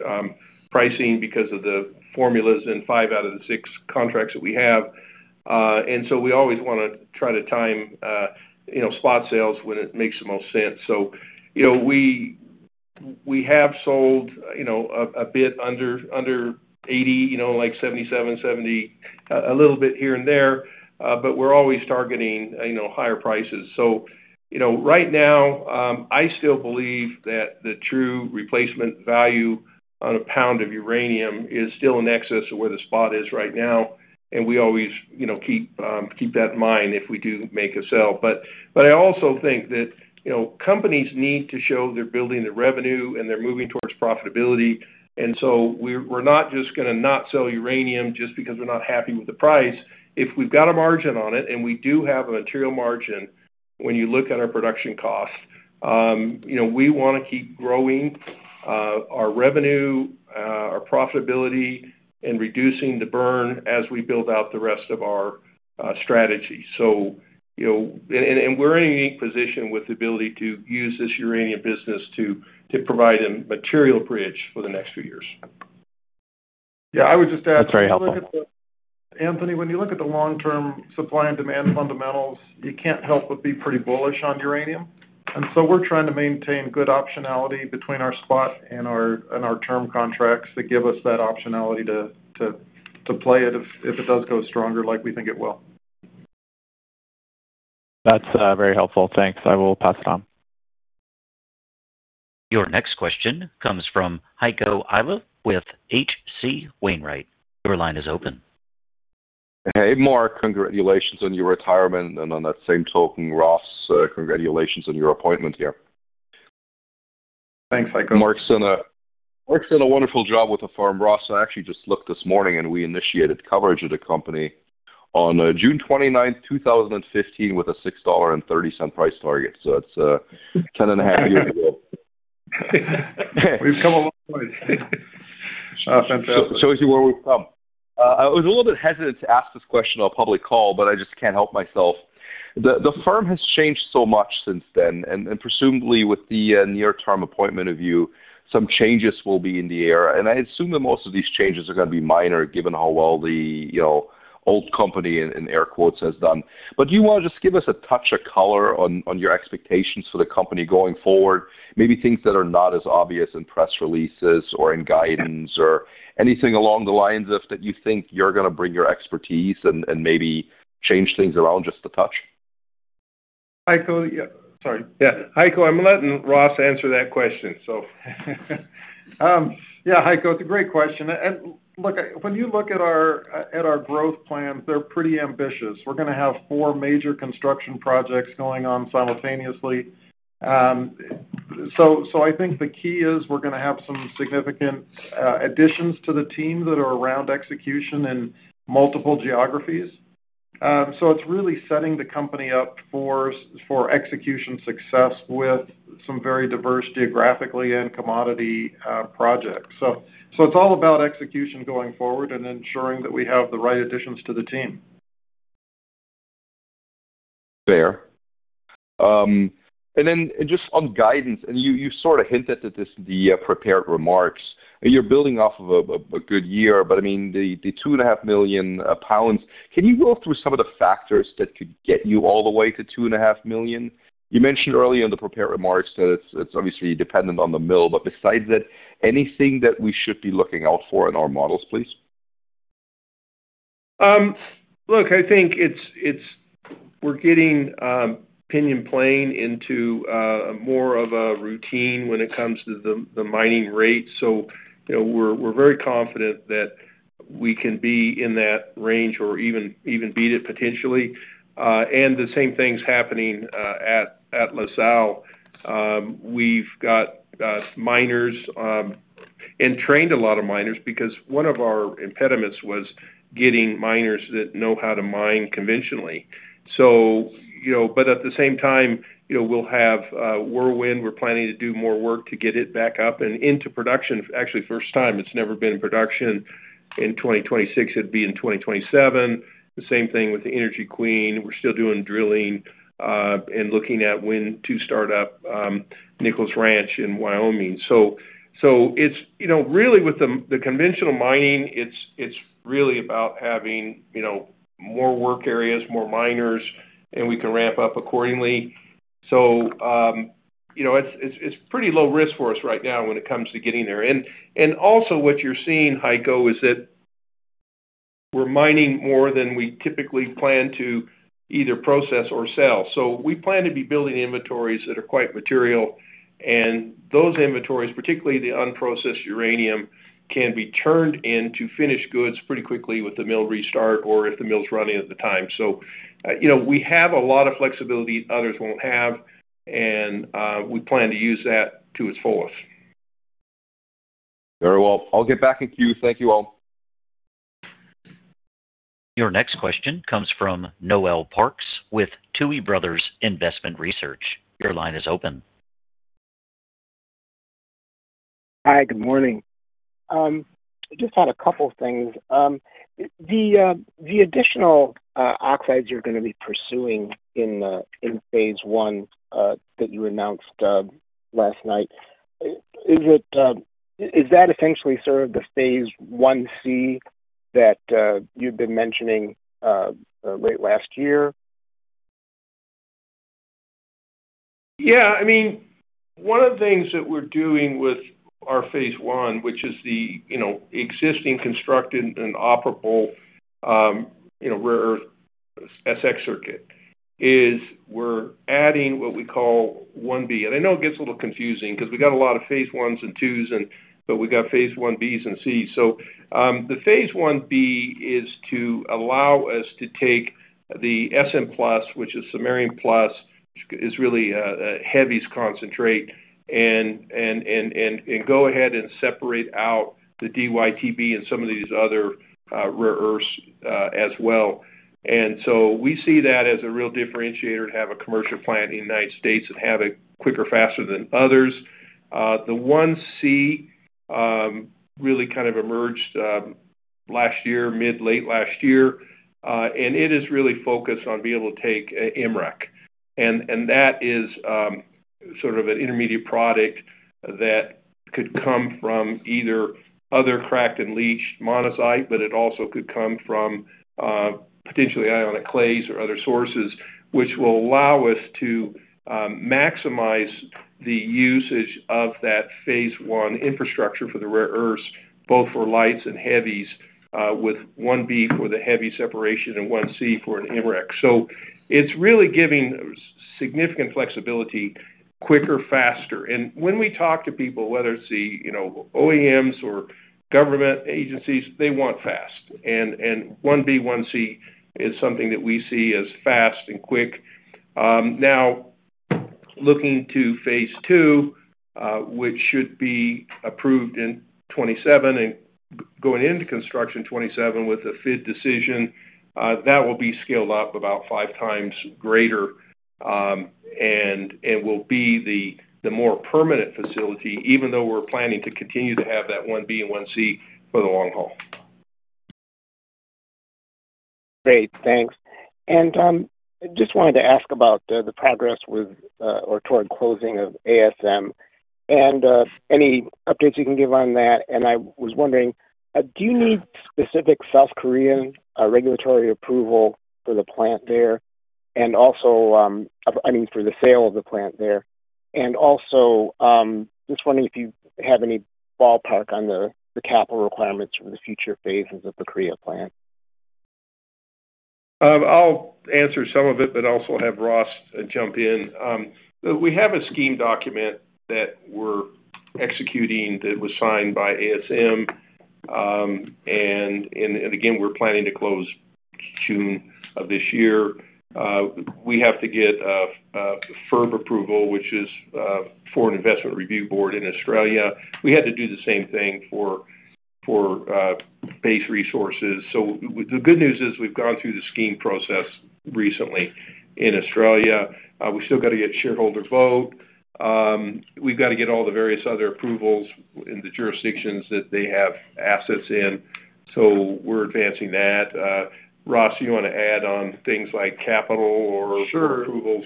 pricing because of the formulas in 5 out of the 6 contracts that we have. We always wanna try to time, you know, spot sales when it makes the most sense. You know, we have sold, you know, a bit under 80, you know, like 77, 70, a little bit here and there. We're always targeting, you know, higher prices. you know, right now, I still believe that the true replacement value on a pound of uranium is still in excess of where the spot is right now. we always, you know, keep that in mind if we do make a sale. I also think that, you know, companies need to show they're building their revenue and they're moving towards profitability. we're not just gonna not sell uranium just because we're not happy with the price. If we've got a margin on it, and we do have a material margin when you look at our production cost, you know, we wanna keep growing our revenue, our profitability and reducing the burn as we build out the rest of our strategy. you know... We're in a unique position with the ability to use this uranium business to provide a material bridge for the next few years. Yeah, I would just add. That's very helpful. if you look at the Anthony, when you look at the long-term supply and demand fundamentals, you can't help but be pretty bullish on uranium. So we're trying to maintain good optionality between our spot and our term contracts that give us that optionality to play it if it does go stronger like we think it will. That's very helpful. Thanks. I will pass it on. Your next question comes from Heiko Ihle with H.C. Wainwright. Your line is open. Hey, Mark. Congratulations on your retirement. On that same token, Ross, congratulations on your appointment here. Thanks, Heiko. Mark's done a wonderful job with the firm, Ross. I actually just looked this morning, we initiated coverage of the company on June 29, 2015 with a $6.30 price target. That's 10 and a half years ago. We've come a long way. Oh, fantastic. Shows you where we've come. I was a little bit hesitant to ask this question on a public call, but I just can't help myself. The firm has changed so much since then, and presumably with the near-term appointment of you, some changes will be in the air. I assume that most of these changes are going to be minor, given how well the, you know, old company in air quotes has done. Do you want to just give us a touch of color on your expectations for the company going forward? Maybe things that are not as obvious in press releases or in guidance or anything along the lines of that you think you're going to bring your expertise and maybe change things around just a touch. Heiko, yeah. Sorry. Yeah. Heiko, I'm letting Ross answer that question. Yeah, Heiko, it's a great question. Look, when you look at our, at our growth plans, they're pretty ambitious. We're gonna have four major construction projects going on simultaneously. I think the key is we're gonna have some significant additions to the team that are around execution in multiple geographies. It's really setting the company up for execution success with some very diverse geographically and commodity projects. It's all about execution going forward and ensuring that we have the right additions to the team. Fair. Just on guidance, you sort of hinted at this in the prepared remarks. You're building off of a good year, I mean, the 2.5 million pounds, can you walk through some of the factors that could get you all the way to 2.5 million? You mentioned earlier in the prepared remarks that it's obviously dependent on the mill, besides that, anything that we should be looking out for in our models, please? look, I think it's We're getting Pinyon Plain into more of a routine when it comes to the mining rate. you know, we're very confident that we can be in that range or even beat it potentially. the same thing's happening at La Sal. we've got miners and trained a lot of miners because one of our impediments was getting miners that know how to mine conventionally. you know, at the same time, you know, we'll have Whirlwind. We're planning to do more work to get it back up and into production. Actually, first time, it's never been in production. In 2026, it'd be in 2027. The same thing with the Energy Queen. We're still doing drilling and looking at when to start up Nichols Ranch in Wyoming. It's, you know, really with the conventional mining, it's really about having, you know, more work areas, more miners, and we can ramp up accordingly. You know, it's, it's pretty low risk for us right now when it comes to getting there. Also what you're seeing, Heiko, is that we're mining more than we typically plan to either process or sell. We plan to be building inventories that are quite material, and those inventories, particularly the unprocessed uranium, can be turned into finished goods pretty quickly with the mill restart or if the mill's running at the time. You know, we have a lot of flexibility others won't have, and we plan to use that to its fullest. Very well. I'll get back in queue. Thank you all. Your next question comes from Noel Parks with Tuohy Brothers Investment Research. Your line is open. Hi. Good morning. Just had a couple things. The additional oxides you're gonna be pursuing in phase 1 that you announced last night, is it, is that essentially sort of the Phase 1C that you've been mentioning late last year? Yeah. I mean, one of the things that we're doing with our phase 1, which is the, you know, existing constructed and operable, you know, rare earth SX circuit, is we're adding what we call 1B. I know it gets a little confusing because we got a lot of phase 1s and 2s, but we got phase 1Bs and Cs. The phase 1B is to allow us to take the SM plus, which is samarium plus, which is really a heaviest concentrate, and go ahead and separate out the DyTb and some of these other rare earths as well. We see that as a real differentiator to have a commercial plant in the United States and have it quicker, faster than others. The 1C really kind of emerged last year, mid, late last year, and it is really focused on being able to take AMREC. That is sort of an intermediate product that could come from either other cracked and leached monazite, it also could come from potentially ionic clays or other sources, which will allow us to maximize the usage of that phase 1 infrastructure for the rare earths, both for lights and heavies, with 1B for the heavy separation and 1C for an AMREC. It's really giving significant flexibility quicker, faster. When we talk to people, whether it's the, you know, OEMs or government agencies, they want fast. 1B, 1C is something that we see as fast and quick. Now looking to phase 2, which should be approved in 2027 and going into construction in 2027 with a FID decision, that will be scaled up about 5x greater, and it will be the more permanent facility, even though we're planning to continue to have that 1B and 1C for the long haul. Great. Thanks. Just wanted to ask about the progress with or toward closing of ASM and any updates you can give on that. I was wondering, do you need specific South Korean regulatory approval for the plant there? Also, I mean, for the sale of the plant there. Also, just wondering if you have any ballpark on the capital requirements for the future phases of the Korea plant? I'll answer some of it but also have Ross jump in. We have a scheme document that we're executing that was signed by ASM, and again, we're planning to close June of this year. We have to get a FIRB approval, which is Foreign Investment Review Board in Australia. We had to do the same thing for Base Resources. The good news is we've gone through the scheme process recently in Australia. We still got to get shareholder vote. We've got to get all the various other approvals in the jurisdictions that they have assets in. We're advancing that. Ross, you wanna add on things like capital or- Sure... approvals?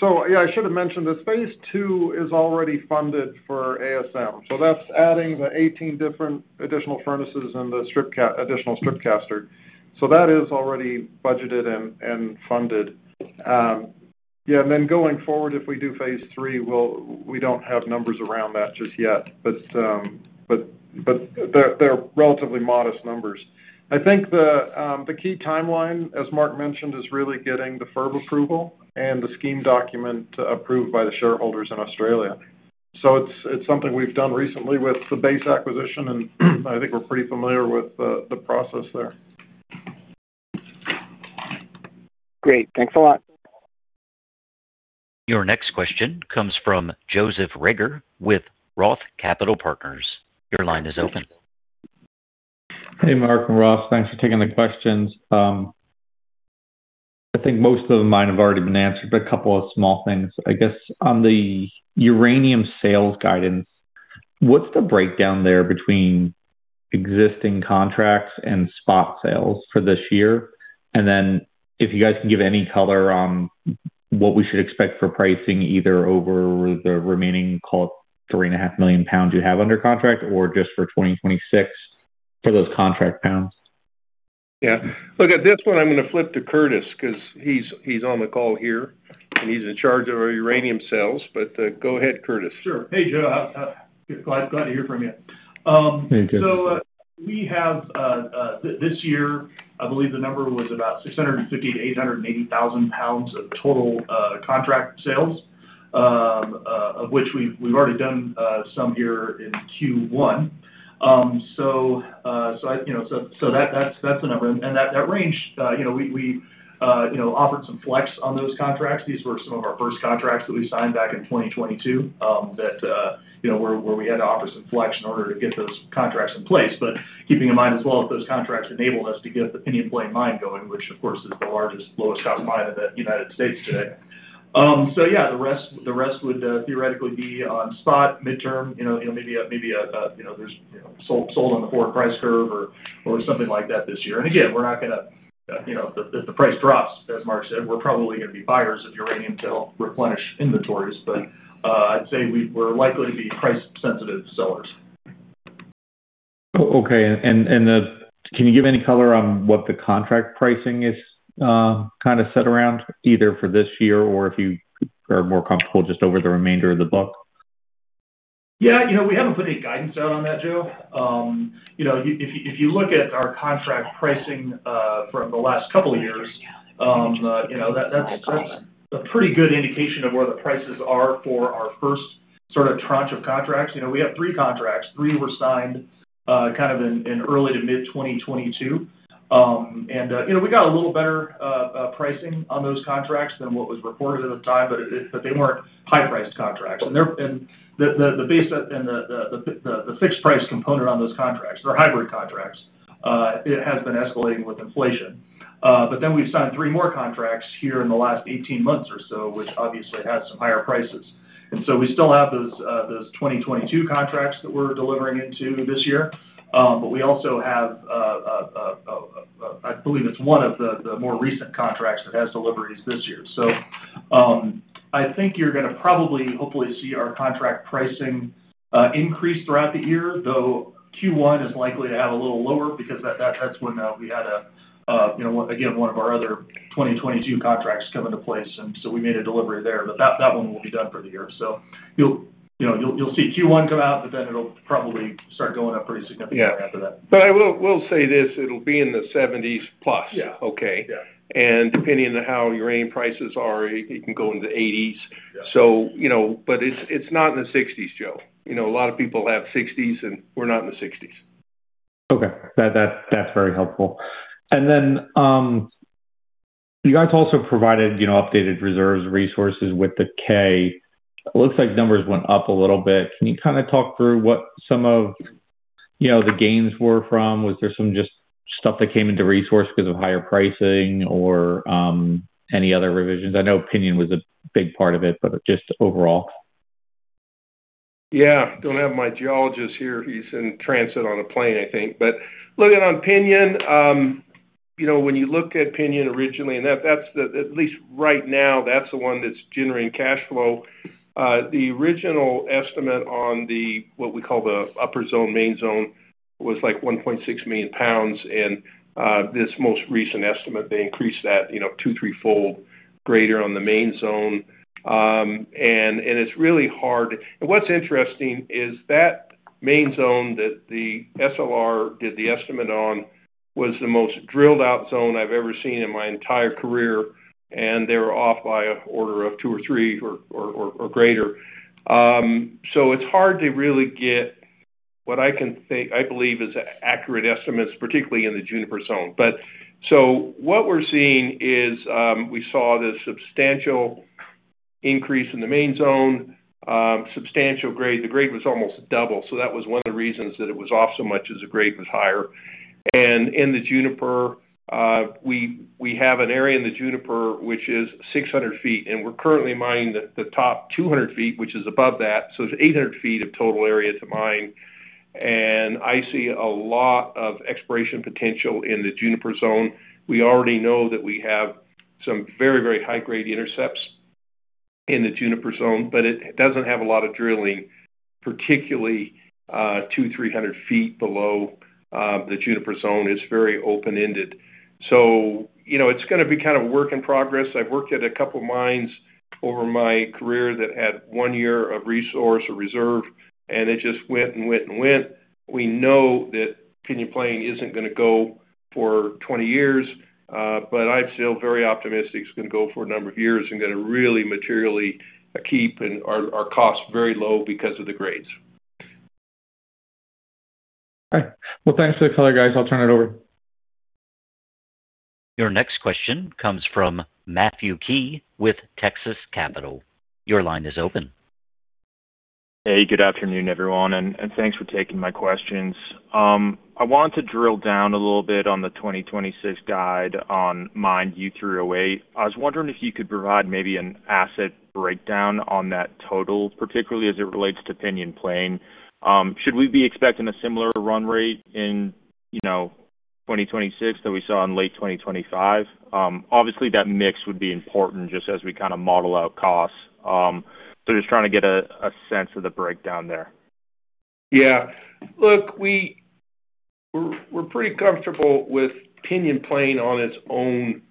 Yeah, I should have mentioned this. Phase 2 is already funded for ASM. That's adding the 18 different additional furnaces and the additional strip caster. That is already budgeted and funded. And then going forward, if we do phase 3, we don't have numbers around that just yet, but they're relatively modest numbers. I think the key timeline, as Mark mentioned, is really getting the FIRB approval and the scheme document approved by the shareholders in Australia. It's something we've done recently with the Base acquisition, and I think we're pretty familiar with the process there. Great. Thanks a lot. Your next question comes from Joseph Reagor with ROTH Capital Partners. Your line is open. Hey, Mark and Ross. Thanks for taking the questions. I think most of mine have already been answered, but a couple of small things. I guess on the uranium sales guidance, what's the breakdown there between existing contracts and spot sales for this year? If you guys can give any color on what we should expect for pricing, either over the remaining, call it 3.5 million pounds you have under contract or just for 2026 for those contract pounds. Yeah. Look, at this point, I'm going to flip to Curtis because he's on the call here and he's in charge of our uranium sales. Go ahead, Curtis. Sure. Hey, Joe. Glad to hear from you. Hey, Curtis. We have this year, I believe the number was about 650,000-880,000 pounds of total contract sales, of which we've already done some here in Q1. You know, that's the number. That range, you know, we, you know, offered some flex on those contracts. These were some of our first contracts that we signed back in 2022, that, you know, where we had to offer some flex in order to get those contracts in place. Keeping in mind as well that those contracts enabled us to get the Pinyon Plain Mine going, which of course is the largest lowest cost mine in the United States today. Yeah, the rest would theoretically be on spot midterm. You know, maybe a, you know, there's, you know, sold on the forward price curve or something like that this year. Again, we're not going to, you know, if the price drops, as Mark said, we're probably going to be buyers of uranium to replenish inventories. I'd say we're likely to be price sensitive sellers. Okay. Can you give any color on what the contract pricing is, kind of set around either for this year or if you are more comfortable just over the remainder of the book? Yeah, you know, we haven't put any guidance out on that, Joe. You know, if you look at our contract pricing, from the last couple of years, you know, that's a pretty good indication of where the prices are for our first sort of tranche of contracts. You know, we have 3 contracts. 3 were signed, kind of in early to mid 2022. We got a little better pricing on those contracts than what was reported at the time, but they weren't high priced contracts. The base and the fixed price component on those contracts. They're hybrid contracts. It has been escalating with inflation. We've signed 3 more contracts here in the last 18 months or so, which obviously had some higher prices. we still have those 2022 contracts that we're delivering into this year. we also have, I believe it's one of the more recent contracts that has deliveries this year. I think you're going to probably hopefully see our contract pricing increase throughout the year, though Q1 is likely to have a little lower because that's when we had a, you know, again, one of our other 2022 contracts come into place, and so we made a delivery there. that one will be done for the year. you'll, you know, you'll see Q1 come out, but then it'll probably start going up pretty significantly after that. I will say this, it'll be in the 70s plus. Yeah. Okay. Yeah. Depending on how uranium prices are, it can go into the $80s. Yeah. you know, but it's not in the 60s, Joe. You know, a lot of people have 60s, and we're not in the 60s. Okay. That's very helpful. You guys also provided, you know, updated reserves resources with the K. It looks like numbers went up a little bit. Can you kind of talk through what some of, you know, the gains were from? Was there some just stuff that came into resource because of higher pricing or any other revisions? I know Pinyon was a big part of it, just overall. Yeah. Don't have my geologist here. He's in transit on a plane, I think. Looking on Pinyon, you know, when you look at Pinyon originally, and that's the, at least right now, that's the one that's generating cash flow. The original estimate on the, what we call the upper zone, main zone was like 1.6 million pounds. This most recent estimate, they increased that, you know, two, three-fold greater on the main zone. It's really hard. What's interesting is that main zone that the SLR did the estimate on was the most drilled out zone I've ever seen in my entire career. They were off by an order of two or three or greater. It's hard to really get what I can say I believe is accurate estimates, particularly in the Juniper zone. What we're seeing is, we saw this substantial increase in the main zone, substantial grade. The grade was almost double. That was one of the reasons that it was off so much as the grade was higher. In the Juniper, we have an area in the Juniper which is 600 feet, and we're currently mining the top 200 feet, which is above that. It's 800 feet of total area to mine. I see a lot of exploration potential in the Juniper zone. We already know that we have some very high-grade intercepts in the Juniper zone, but it doesn't have a lot of drilling, particularly 200-300 feet below the Juniper zone. It's very open-ended. You know, it's going to be kind of work in progress. I've worked at a couple mines over my career that had 1 year of resource or reserve, and it just went and went and went. We know that Pinyon Plain isn't going to go for 20 years, but I'm still very optimistic it's going to go for a number of years and going to really materially keep and our costs very low because of the grades. All right. Well, thanks for the color, guys. I'll turn it over. Your next question comes from Matthew Key with Texas Capital. Your line is open. Hey, good afternoon, everyone, thanks for taking my questions. I want to drill down a little bit on the 2026 guide on mine U3O8. I was wondering if you could provide maybe an asset breakdown on that total, particularly as it relates to Pinyon Plain. Should we be expecting a similar run rate in, you know, 2026 that we saw in late 2025? Obviously, that mix would be important just as we kind of model out costs. Just trying to get a sense of the breakdown there. Yeah. Look, we're pretty comfortable with Pinyon Plain on its own,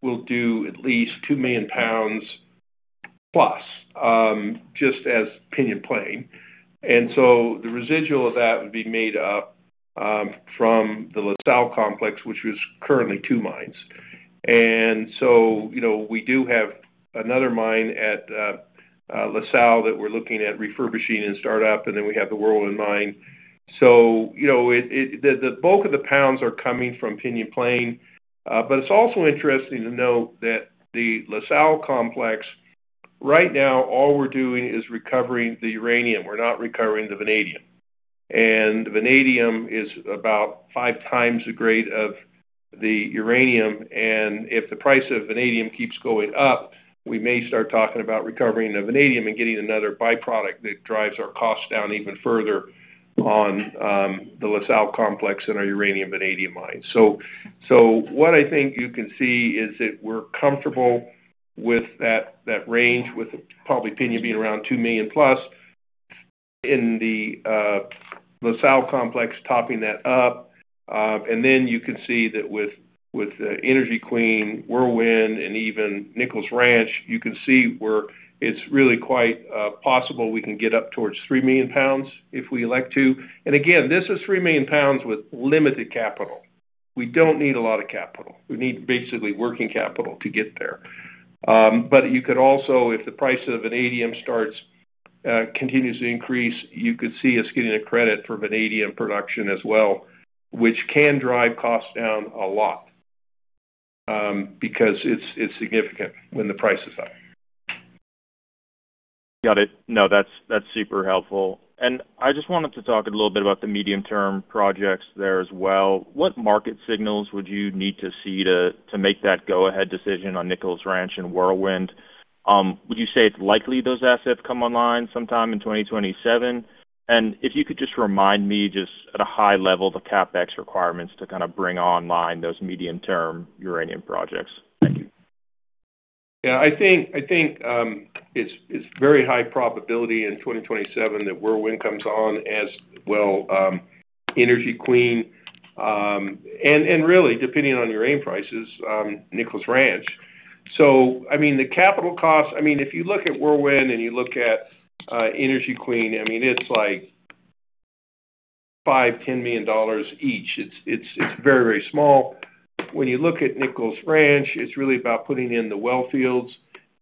will do at least 2 million pounds plus, just as Pinyon Plain. The residual of that would be made up from the LaSalle Complex, which is currently 2 mines. You know, we do have another mine at LaSalle that we're looking at refurbishing and start up, and then we have the Whirlwind mine. You know, the bulk of the pounds are coming from Pinyon Plain. It's also interesting to note that the La Sal Complex right now, all we're doing is recovering the uranium. We're not recovering the vanadium. Vanadium is about 5x the grade of the uranium, and if the price of vanadium keeps going up, we may start talking about recovering the vanadium and getting another byproduct that drives our costs down even further on the La Sal Complex and our uranium vanadium mine. What I think you can see is that we're comfortable with that range with probably Pinyon being around 2 million+ in the La Sal Complex topping that up. Then you can see that with Energy Queen, Whirlwind, and even Nichols Ranch, you can see where it's really quite possible we can get up towards 3 million pounds if we elect to. Again, this is 3 million pounds with limited capital. We don't need a lot of capital. We need basically working capital to get there. You could also, if the price of vanadium starts, continues to increase, you could see us getting a credit for vanadium production as well, which can drive costs down a lot, because it's significant when the price is high. Got it. No, that's super helpful. I just wanted to talk a little bit about the medium-term projects there as well. What market signals would you need to see to make that go-ahead decision on Nichols Ranch and Whirlwind? Would you say it's likely those assets come online sometime in 2027? If you could just remind me just at a high level the CapEx requirements to kind of bring online those medium-term uranium projects. Thank you. Yeah. I think, it's very high probability in 2027 that Whirlwind comes on as well, Energy Queen, and really, depending on your aim prices, Nichols Ranch. I mean, the capital cost, I mean, if you look at Whirlwind and you look at Energy Queen, I mean, it's like $5 million-$10 million each. It's very small. When you look at Nichols Ranch, it's really about putting in the well fields,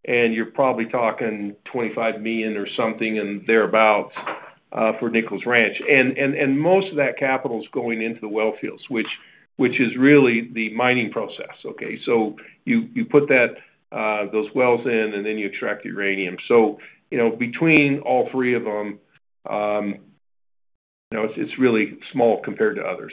you're probably talking $25 million or something and thereabout for Nichols Ranch. Most of that capital is going into the well fields, which is really the mining process, okay? You put that, those wells in, then you attract uranium. You know, between all three of them, you know, it's really small compared to others.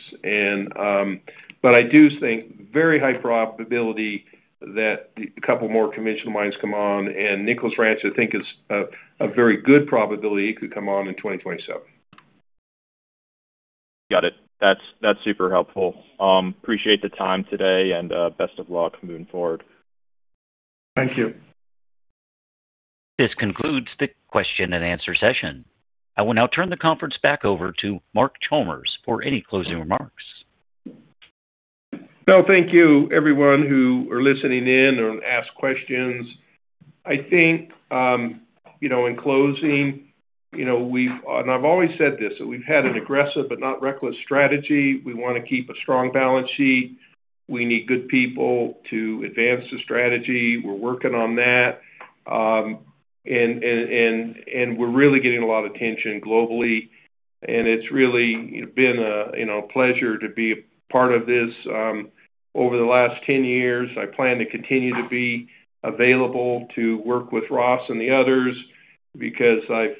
But I do think very high probability that a couple more conventional mines come on, and Nichols Ranch, I think, is a very good probability it could come on in 2027. Got it. That's, that's super helpful. Appreciate the time today and, best of luck moving forward. Thank you. This concludes the question and answer session. I will now turn the conference back over to Mark Chalmers for any closing remarks. No, thank you everyone who are listening in or ask questions. I think, you know, in closing, you know, I've always said this, that we've had an aggressive but not reckless strategy. We wanna keep a strong balance sheet. We need good people to advance the strategy. We're working on that. We're really getting a lot of attention globally. It's really been a, you know, pleasure to be a part of this over the last 10 years. I plan to continue to be available to work with Ross and the others because I've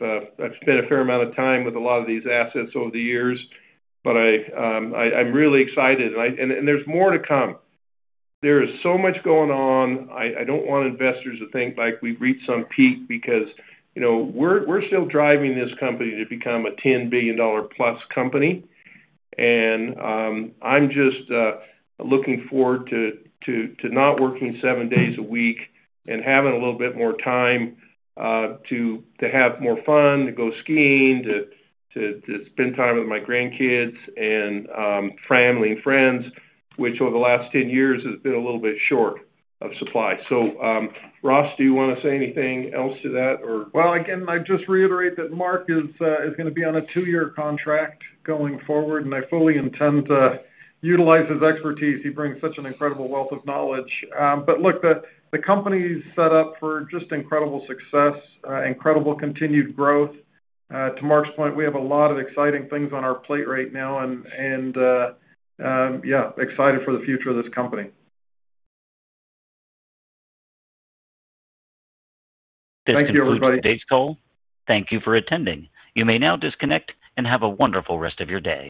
spent a fair amount of time with a lot of these assets over the years. I'm really excited, and there's more to come. There is so much going on, I don't want investors to think like we've reached some peak because, you know, we're still driving this company to become a $10 billion plus company. I'm just looking forward to not working seven days a week and having a little bit more time to have more fun, to go skiing, to spend time with my grandkids and family and friends, which over the last 10 years has been a little bit short of supply. Ross, do you wanna say anything else to that or? Again, I just reiterate that Mark is gonna be on a two-year contract going forward, and I fully intend to utilize his expertise. He brings such an incredible wealth of knowledge. Look, the company is set up for just incredible success, incredible continued growth. To Mark's point, we have a lot of exciting things on our plate right now and, yeah, excited for the future of this company. Thank you, everybody. This concludes today's call. Thank you for attending. You may now disconnect and have a wonderful rest of your day.